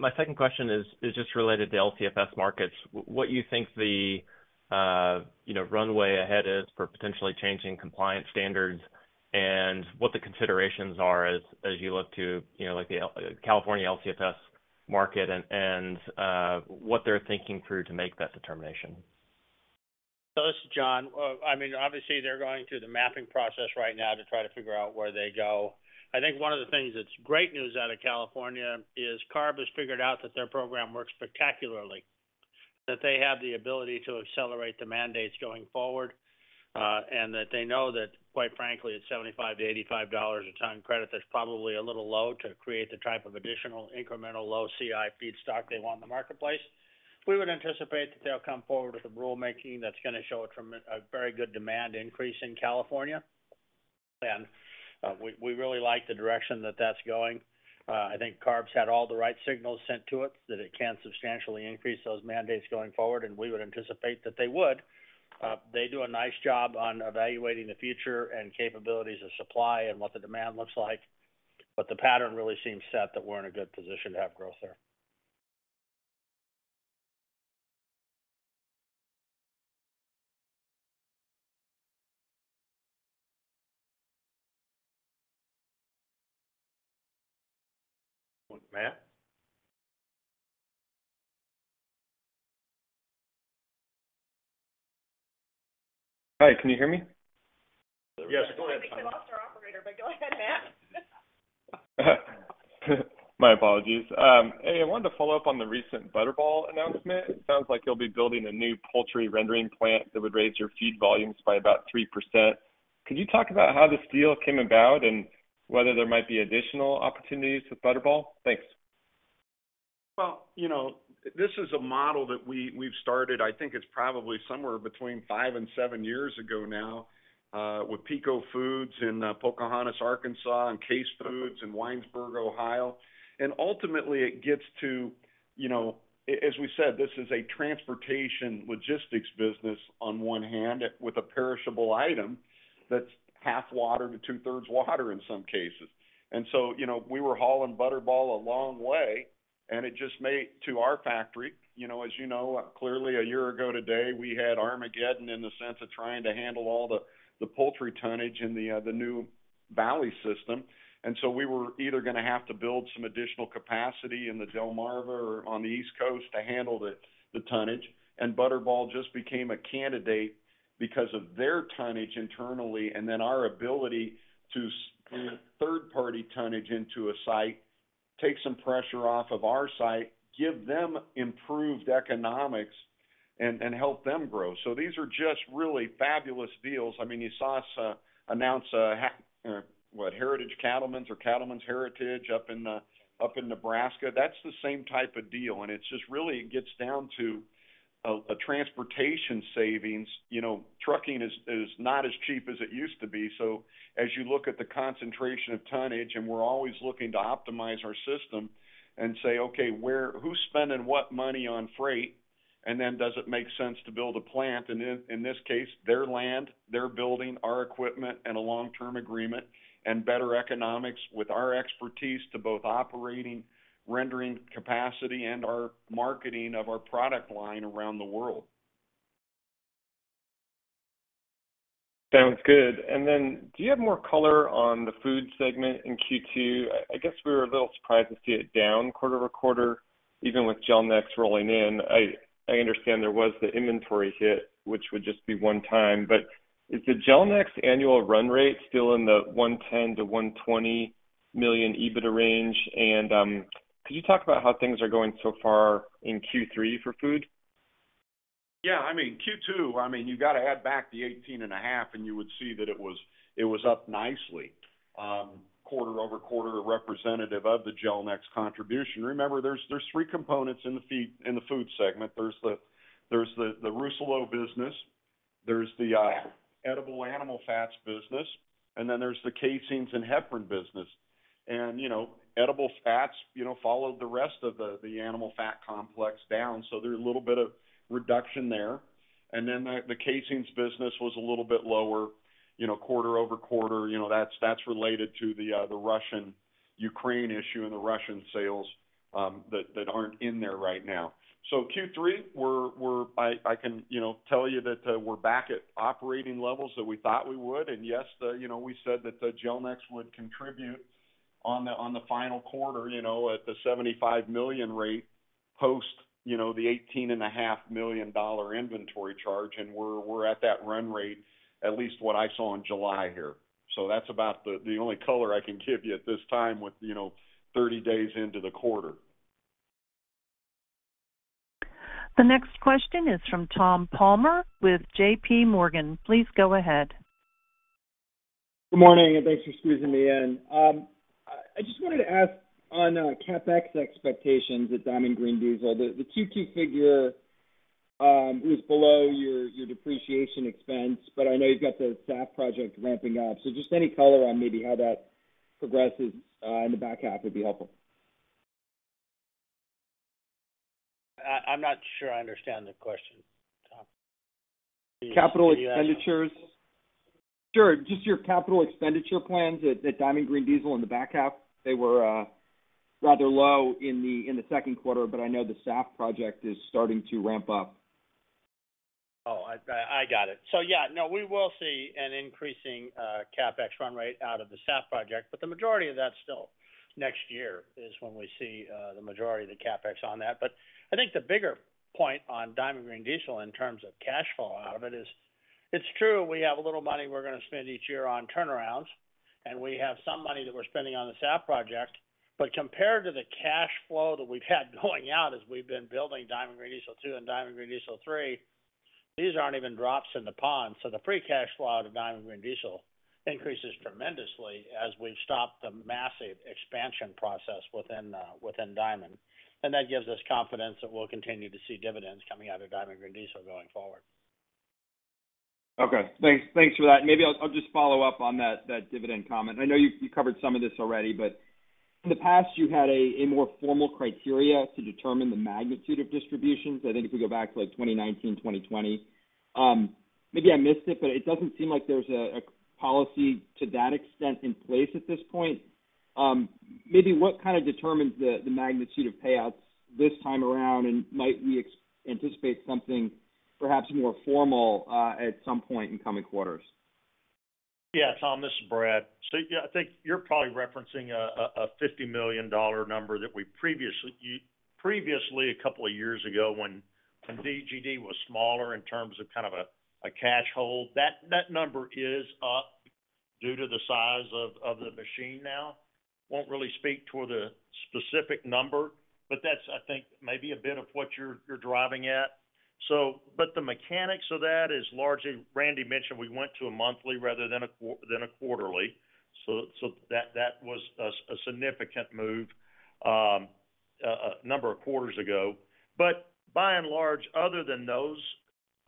My second question is, is just related to LCFS markets. What you think the, you know, runway ahead is for potentially changing compliance standards, and what the considerations are as, as you look to, you know, like, the California LCFS market and, what they're thinking through to make that determination? This is John. I mean, obviously they're going through the mapping process right now to try to figure out where they go. I think one of the things that's great news out of California is CARB has figured out that their program works spectacularly, that they have the ability to accelerate the mandates going forward, and that they know that, quite frankly, at $75-$85 a ton credit, that's probably a little low to create the type of additional incremental low CI feedstock they want in the marketplace. We would anticipate that they'll come forward with a rulemaking that's gonna show a very good demand increase in California. We really like the direction that that's going. I think CARB had all the right signals sent to it, that it can substantially increase those mandates going forward, and we would anticipate that they would. They do a nice job on evaluating the future and capabilities of supply and what the demand looks like, but the pattern really seems set that we're in a good position to have growth there. Matt? Hi, can you hear me? Yes, go ahead. I think we lost our operator, but go ahead, Matt. My apologies. Hey, I wanted to follow up on the recent Butterball announcement. It sounds like you'll be building a new poultry rendering plant that would raise your feed volumes by about 3%. Could you talk about how this deal came about and whether there might be additional opportunities with Butterball? Thanks. Well, you know, this is a model that we, we've started, I think it's probably somewhere between five and seven years ago now, with Peco Foods in Pocahontas, Arkansas, and Case Foods in Winesburg, Ohio. Ultimately, it gets to, you know, as we said, this is a transportation logistics business on one hand, with a perishable item that's half water to two-thirds water in some cases. So, you know, we were hauling Butterball a long way, and it just made to our factory. You know, as you know, clearly a year ago today, we had Armageddon in the sense of trying to handle all the, the poultry tonnage in the new Valley Proteins system. We were either gonna have to build some additional capacity in the Delmarva or on the East Coast to handle the, the tonnage, and Butterball just became a candidate because of their tonnage internally, and then our ability to move third-party tonnage into a site. Take some pressure off of our site, give them improved economics, and, and help them grow. These are just really fabulous deals. I mean, you saw us announce what, Cattlemen's Heritage up in Nebraska. That's the same type of deal, and it's just really, it gets down to a, a transportation savings. You know, trucking is, is not as cheap as it used to be. As you look at the concentration of tonnage, and we're always looking to optimize our system and say: Okay, who's spending what money on freight? Then, does it make sense to build a plant? In, in this case, their land, their building, our equipment, and a long-term agreement, and better economics with our expertise to both operating, rendering capacity, and our marketing of our product line around the world. Sounds good. Then, do you have more color on the food segment in Q2? I guess we were a little surprised to see it down quarter-over-quarter, even with Gelnex rolling in. I understand there was the inventory hit, which would just be one time. Is the Gelnex annual run rate still in the $110-$120 million EBITDA range? Could you talk about how things are going so far in Q3 for food? Yeah, I mean, Q2, I mean, you got to add back the $18.5, you would see that it was, it was up nicely, quarter-over-quarter, representative of the Gelnex contribution. Remember, there's, there's 3 components in the food segment. There's the, there's the, the Rousselot business, there's the edible animal fats business, then there's the casings and heparin business. You know, edible fats, you know, followed the rest of the, the animal fat complex down, so there's a little bit of reduction there. Then the, the casings business was a little bit lower, you know, quarter-over-quarter. You know, that's, that's related to the Russian-Ukraine issue and the Russian sales, that, that aren't in there right now. Q3, we're, we're, I, I can you know, tell you that, we're back at operating levels that we thought we would. Yes, the, you know, we said that the Gelnex would contribute on the, on the final quarter, you know, at the $75 million rate, post, you know, the $18.5 million inventory charge, and we're, we're at that run rate, at least what I saw in July here. That's about the, the only color I can give you at this time with, you know, 30 days into the quarter. The next question is from Tom Palmer with JPMorgan. Please go ahead. Good morning, thanks for squeezing me in. I just wanted to ask on CapEx expectations at Diamond Green Diesel. The Q2 figure is below your depreciation expense, I know you've got the SAF project ramping up. Just any color on maybe how that progresses in the back half would be helpful. I'm not sure I understand the question, Tom. Capital expenditures. Sure. Just your capital expenditure plans at, at Diamond Green Diesel in the back half, they were rather low in the, in the Q2, but I know the SAF project is starting to ramp up. Oh, I, I got it. Yeah. No, we will see an increasing CapEx run rate out of the SAF project, but the majority of that's still next year, is when we see the majority of the CapEx on that. I think the bigger point on Diamond Green Diesel in terms of cash flow out of it is, it's true, we have a little money we're going to spend each year on turnarounds, and we have some money that we're spending on the SAF project. Compared to the cash flow that we've had going out as we've been building Diamond Green Diesel 2 and Diamond Green Diesel 3, these aren't even drops in the pond. The free cash flow out of Diamond Green Diesel increases tremendously as we've stopped the massive expansion process within Diamond. That gives us confidence that we'll continue to see dividends coming out of Diamond Green Diesel going forward. Okay, thanks. Thanks for that. Maybe I'll, I'll just follow up on that, that dividend comment. I know you, you covered some of this already. In the past, you had a, a more formal criteria to determine the magnitude of distributions. I think if we go back to, like, 2019, 2020. Maybe I missed it, it doesn't seem like there's a, a policy to that extent in place at this point. Maybe what kind of determines the, the magnitude of payouts this time around, and might we anticipate something perhaps more formal at some point in coming quarters? Yeah, Tom, this is Brad. Yeah, I think you're probably referencing a $50 million number that we previously, previously, a couple of years ago, when DGD was smaller in terms of a cash hold. That number is up due to the size of the machine now. Won't really speak toward the specific number, that's, I think, maybe a bit of what you're driving at. The mechanics of that is largely, Randy mentioned we went to a monthly rather than a quarterly, so that was a significant move, a number of quarters ago. By and large, other than those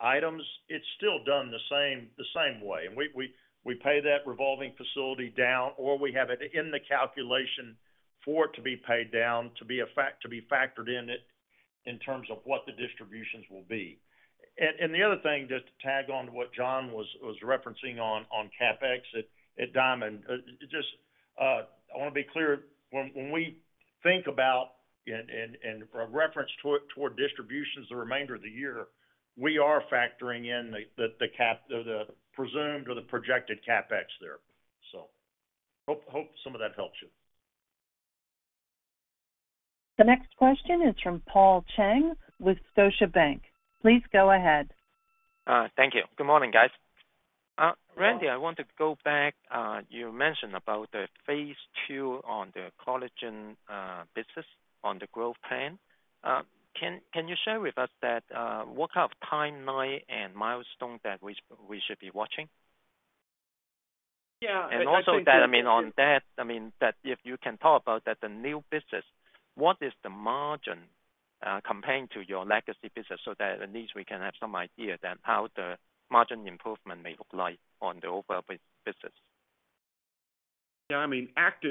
items, it's still done the same way. We, we, we pay that revolving facility down, or we have it in the calculation for it to be paid down, to be factored in it in terms of what the distributions will be. The other thing, just to tag on to what John was, was referencing on, on CapEx at, at Diamond, just, I want to be clear. When, when we think about and, and, and reference to toward distributions the remainder of the year, we are factoring in the presumed or the projected CapEx there. Hope, hope some of that helps you. The next question is from Paul Cheng with Scotiabank. Please go ahead. Thank you. Good morning, guys. Randy, I want to go back, you mentioned about the phase 2 on the collagen business on the growth plan. Can, can you share with us that, what kind of timeline and milestones that we, we should be watching? Yeah, and I think- Also that, I mean, on that, I mean, that if you can talk about that, the new business, what is the margin comparing to your legacy business so that at least we can have some idea then how the margin improvement may look like on the overall business? Yeah, I mean,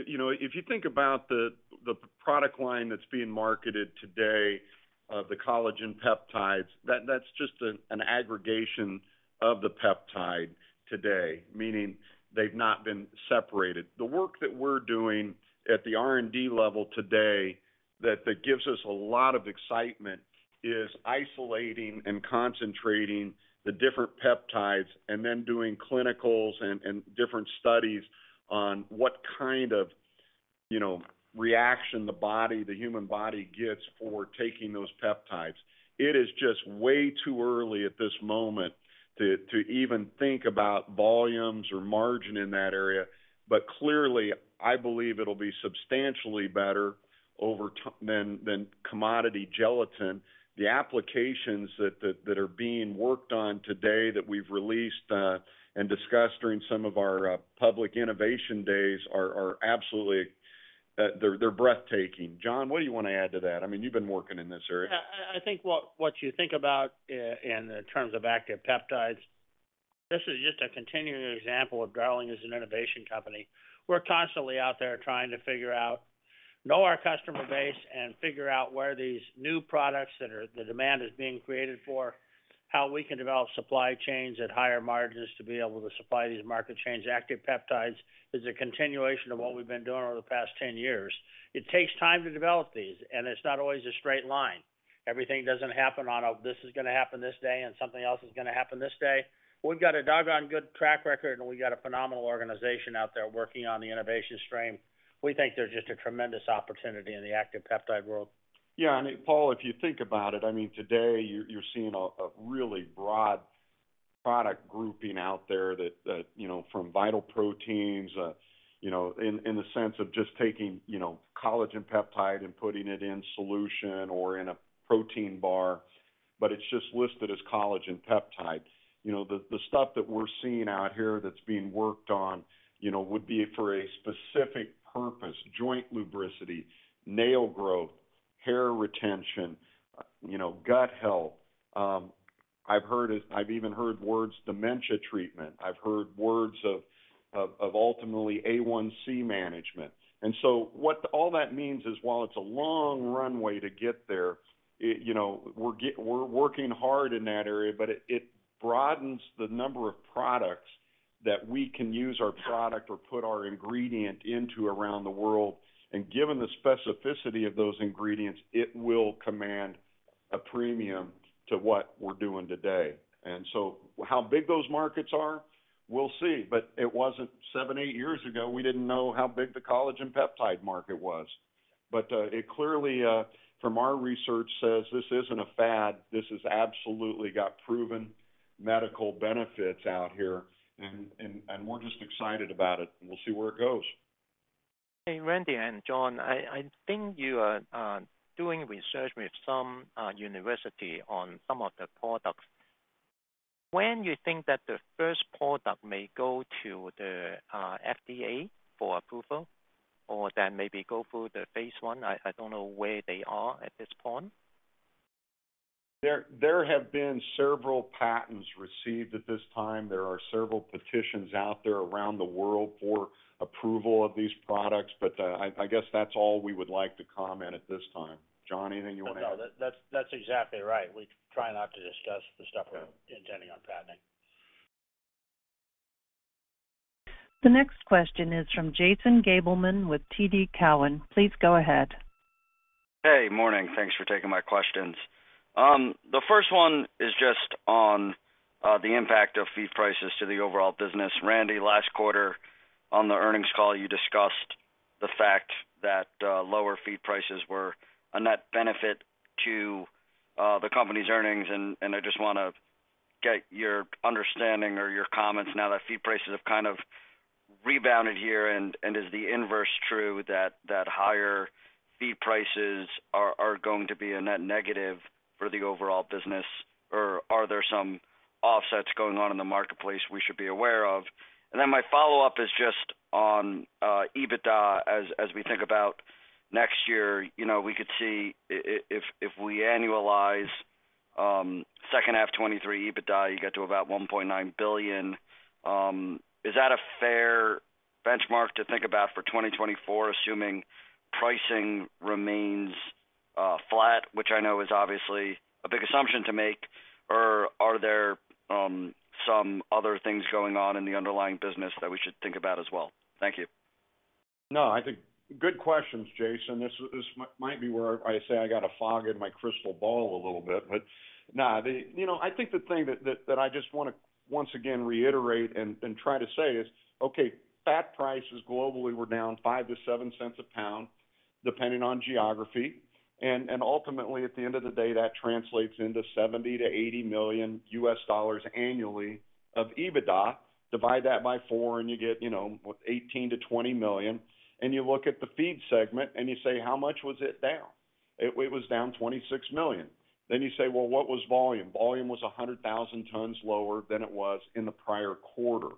you know, if you think about the, the product line that's being marketed today, the collagen peptides, that, that's just an, an aggregation of the peptide today, meaning they've not been separated. The work that we're doing at the R&D level today that, that gives us a lot of excitement, is isolating and concentrating the different peptides and then doing clinicals and, and different studies on what kind of, you know, reaction the body, the human body gets for taking those peptides. It is just way too early at this moment to, to even think about volumes or margin in that area. Clearly, I believe it'll be substantially better over than, than commodity gelatin. The applications that, that, that are being worked on today, that we've released, and discussed during some of our, public innovation days are, are absolutely. They're, they're breathtaking. John, what do you want to add to that? I mean, you've been working in this area. I think what you think about in the terms of active peptides, this is just a continuing example of Darling as an innovation company. We're constantly out there trying to figure out, know our customer base and figure out where these new products the demand is being created for, how we can develop supply chains at higher margins to be able to supply these market chains. Active peptides is a continuation of what we've been doing over the past 10 years. It takes time to develop these, and it's not always a straight line. Everything doesn't happen on a, "This is going to happen this day, and something else is going to happen this day." We've got a doggone good track record, and we've got a phenomenal organization out there working on the innovation stream. We think there's just a tremendous opportunity in the active peptide world. Yeah, I mean, Paul, if you think about it, I mean, today, you're, you're seeing a, a really broad product grouping out there that, that, you know, from Vital Proteins, you know, in, in the sense of just taking, you know, collagen peptides and putting it in solution or in a protein bar, but it's just listed as collagen peptides. You know, the, the stuff that we're seeing out here that's being worked on, you know, would be for a specific purpose: joint lubricity, nail growth, hair retention, you know, gut health. I've even heard words, dementia treatment. I've heard words of, of, of ultimately A1C management. What all that means is, while it's a long runway to get there, it, you know, we're working hard in that area, but it, it broadens the number of products that we can use our product or put our ingredient into around the world. Given the specificity of those ingredients, it will command a premium to what we're doing today. How big those markets are? We'll see. It wasn't seven, eight years ago, we didn't know how big the collagen peptides market was. It clearly, from our research, says this isn't a fad. This has absolutely got proven medical benefits out here, and we're just excited about it, and we'll see where it goes. Hey, Randy and John, I think you are doing research with some university on some of the products. When you think that the first product may go to the FDA for approval or maybe go through the phase I? I don't know where they are at this point. There, there have been several patents received at this time. There are several petitions out there around the world for approval of these products, but, I, I guess that's all we would like to comment at this time. John, anything you want to add? No, no, that's, that's exactly right. We try not to discuss the stuff we're intending on patenting. The next question is from Jason Gabelman with TD Cowen. Please go ahead. Hey, morning. Thanks for taking my questions. The first one is just on the impact of feed prices to the overall business. Randy, last quarter, on the earnings call, you discussed the fact that lower feed prices were a net benefit to the company's earnings, I just want to get your understanding or your comments now that feed prices have kind of rebounded here. Is the inverse true that higher feed prices are going to be a net negative for the overall business, or are there some offsets going on in the marketplace we should be aware of? My follow-up is just on EBITDA. As we think about next year, you know, we could see if we annualize second half 2023 EBITDA, you get to about $1.9 billion. Is that a fair benchmark to think about for 2024, assuming pricing remains flat, which I know is obviously a big assumption to make, or are there some other things going on in the underlying business that we should think about as well? Thank you. No, I think good questions, Jason. This might be where I say I got to fog in my crystal ball a little bit, but you know, I think the thing that, that, that I just want to once again reiterate and, and try to say is, okay, fat prices globally were down 5-7 cents a pound, depending on geography, and, and ultimately, at the end of the day, that translates into $70-$80 million annually of EBITDA. Divide that by 4 and you get, you know, what? $18-$20 million. You look at the feed segment and you say: how much was it down? It was down $26 million. You say, well, what was volume? Volume was 100,000 tons lower than it was in the prior quarter.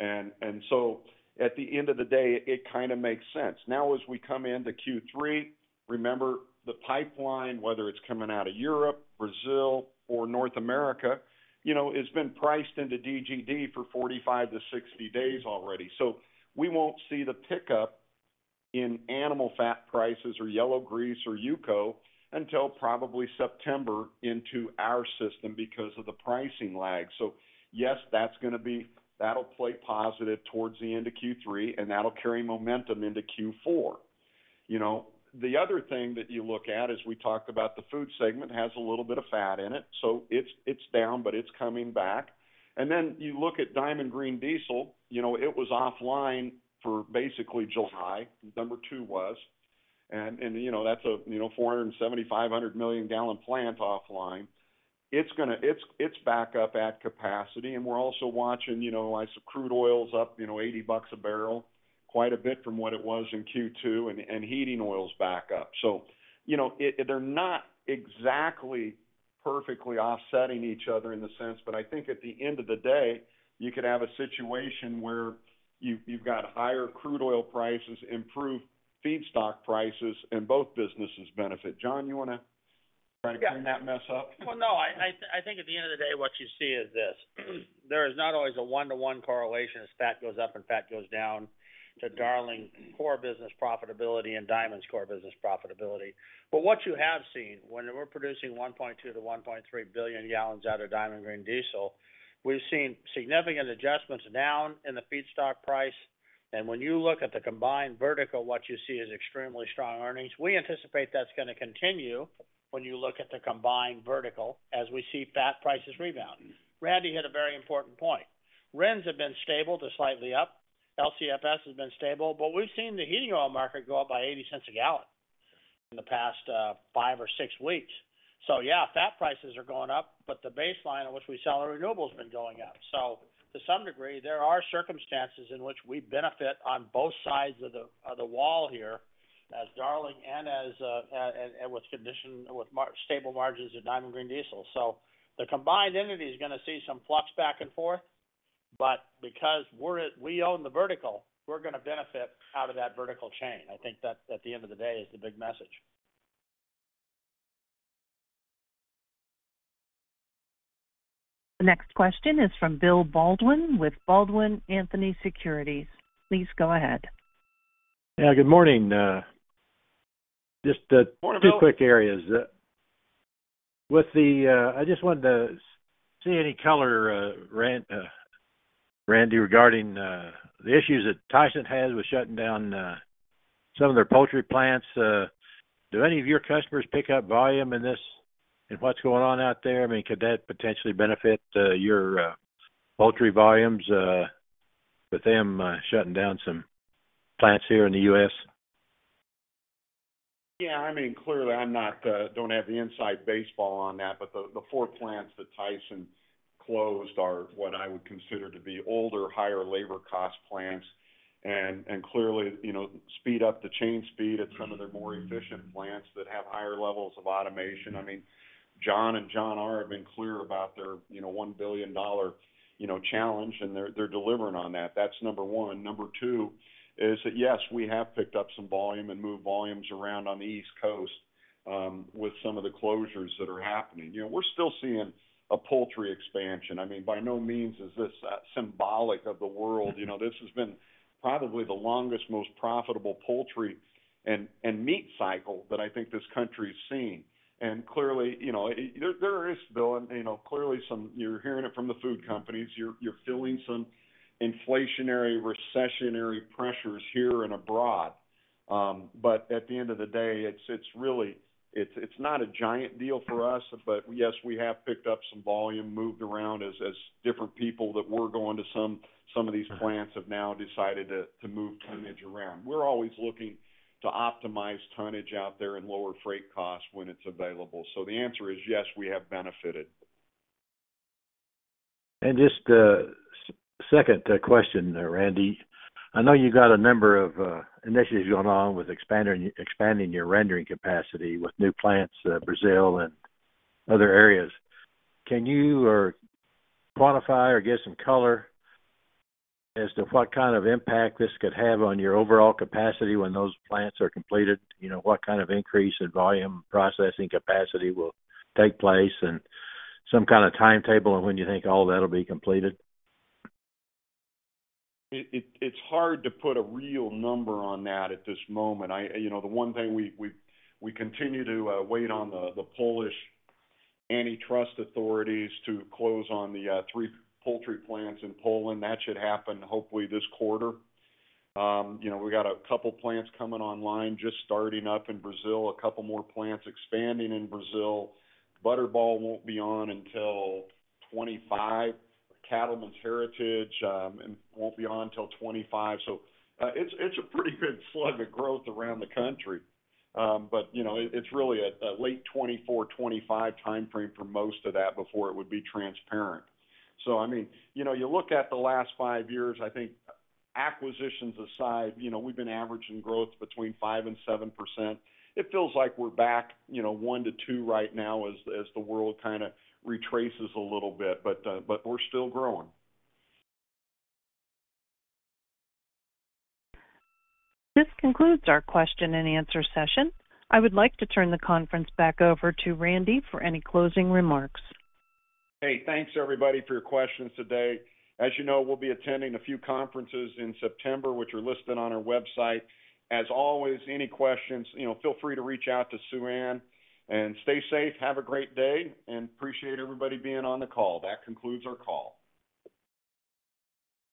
At the end of the day, it kinda makes sense. Now, as we come into Q3, remember, the pipeline, whether it's coming out of Europe, Brazil, or North America, you know, it's been priced into DGD for 45-60 days already. We won't see the pickup in animal fat prices or yellow grease or UCO until probably September into our system because of the pricing lag. Yes, that's gonna be that'll play positive towards the end of Q3, and that'll carry momentum into Q4. You know, the other thing that you look at as we talked about the food segment, has a little bit of fat in it, so it's, it's down, but it's coming back. Then you look at Diamond Green Diesel, you know, it was offline for basically July, number two was. You know, that's a, you know, 470-500 million gallon plant offline. It's, it's back up at capacity, and we're also watching, you know, as the crude oil's up, you know, $80 a barrel, quite a bit from what it was in Q2, and, and heating oil's back up. You know, they're not exactly perfectly offsetting each other in the sense, but I think at the end of the day, you could have a situation where you've, you've got higher crude oil prices, improved feedstock prices, and both businesses benefit. John, you wanna try to clean that mess up? Well, no, I, I, I think at the end of the day, what you see is this: there is not always a one-to-one correlation as fat goes up and fat goes down to Darling core business profitability and Diamond's core business profitability. What you have seen when we're producing 1.2 billion-1.3 billion gallons out of Diamond Green Diesel, we've seen significant adjustments down in the feedstock price. When you look at the combined vertical, what you see is extremely strong earnings. We anticipate that's gonna continue when you look at the combined vertical, as we see fat prices rebound. Randy hit a very important point. RINs have been stable to slightly up. LCFS has been stable, but we've seen the heating oil market go up by $0.80 a gallon in the past 5 or 6 weeks. Yeah, fat prices are going up, but the baseline at which we sell our renewable has been going up. To some degree, there are circumstances in which we benefit on both sides of the, of the wall here as Darling and as, and with stable margins at Diamond Green Diesel. The combined entity is gonna see some flux back and forth, but because we own the vertical, we're gonna benefit out of that vertical chain. I think that, at the end of the day, is the big message. The next question is from Bill Baldwin with Baldwin Anthony Securities. Please go ahead. Yeah, good morning. Morning, Bill. Two quick areas. I just wanted to see any color, Randy, regarding the issues that Tyson has with shutting down some of their poultry plants. Do any of your customers pick up volume in this, in what's going on out there? I mean, could that potentially benefit your poultry volumes with them shutting down some plants here in the U.S.? Yeah, I mean, clearly, I'm not, don't have the inside baseball on that. The 4 plants that Tyson closed are what I would consider to be older, higher labor cost plants, and, and clearly, you know, speed up the chain speed at some of their more efficient plants that have higher levels of automation. I mean, John and John R. have been clear about their, you know, $1 billion, you know, challenge, and they're, they're delivering on that. That's number 1. Number 2 is that, yes, we have picked up some volume and moved volumes around on the East Coast, with some of the closures that are happening. You know, we're still seeing a poultry expansion. I mean, by no means is this, symbolic of the world. You know, this has been probably the longest, most profitable poultry and, and meat cycle that I think this country's seen. Clearly, you know, there, there is, Bill, you know, clearly some. You're hearing it from the food companies. You're, you're feeling some inflationary, recessionary pressures here and abroad. At the end of the day, it's, it's not a giant deal for us. Yes, we have picked up some volume, moved around as, as different people that were going to some, some of these plants have now decided to, to move tonnage around. We're always looking to optimize tonnage out there and lower freight costs when it's available. The answer is yes, we have benefited. Just second question, Randy. I know you got a number of initiatives going on with expanding, expanding your rendering capacity with new plants, Brazil and other areas. Can you quantify or give some color as to what kind of impact this could have on your overall capacity when those plants are completed? You know, what kind of increase in volume, processing capacity will take place, and some kind of timetable on when you think all that will be completed? It, it's hard to put a real number on that at this moment. You know, the one thing we, we, we continue to wait on the Polish antitrust authorities to close on the three poultry plants in Poland. That should happen hopefully this quarter. You know, we got a couple plants coming online, just starting up in Brazil, a couple more plants expanding in Brazil. Butterball won't be on until 2025. Cattlemen's Heritage won't be on until 2025. It's, it's a pretty good slug of growth around the country. You know, it's really a late 2024, 2025 timeframe for most of that before it would be transparent. I mean, you know, you look at the last five years, I think acquisitions aside, you know, we've been averaging growth between 5% and 7%. It feels like we're back, you know, one to two right now as, as the world kinda retraces a little bit, but we're still growing. This concludes our question and answer session. I would like to turn the conference back over to Randy for any closing remarks. Hey, thanks, everybody, for your questions today. As you know, we'll be attending a few conferences in September, which are listed on our website. As always, any questions, you know, feel free to reach out to Suann Guthrie, and stay safe. Have a great day, and appreciate everybody being on the call. That concludes our call.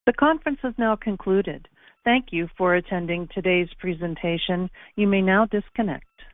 The conference has now concluded. Thank you for attending today's presentation. You may now disconnect.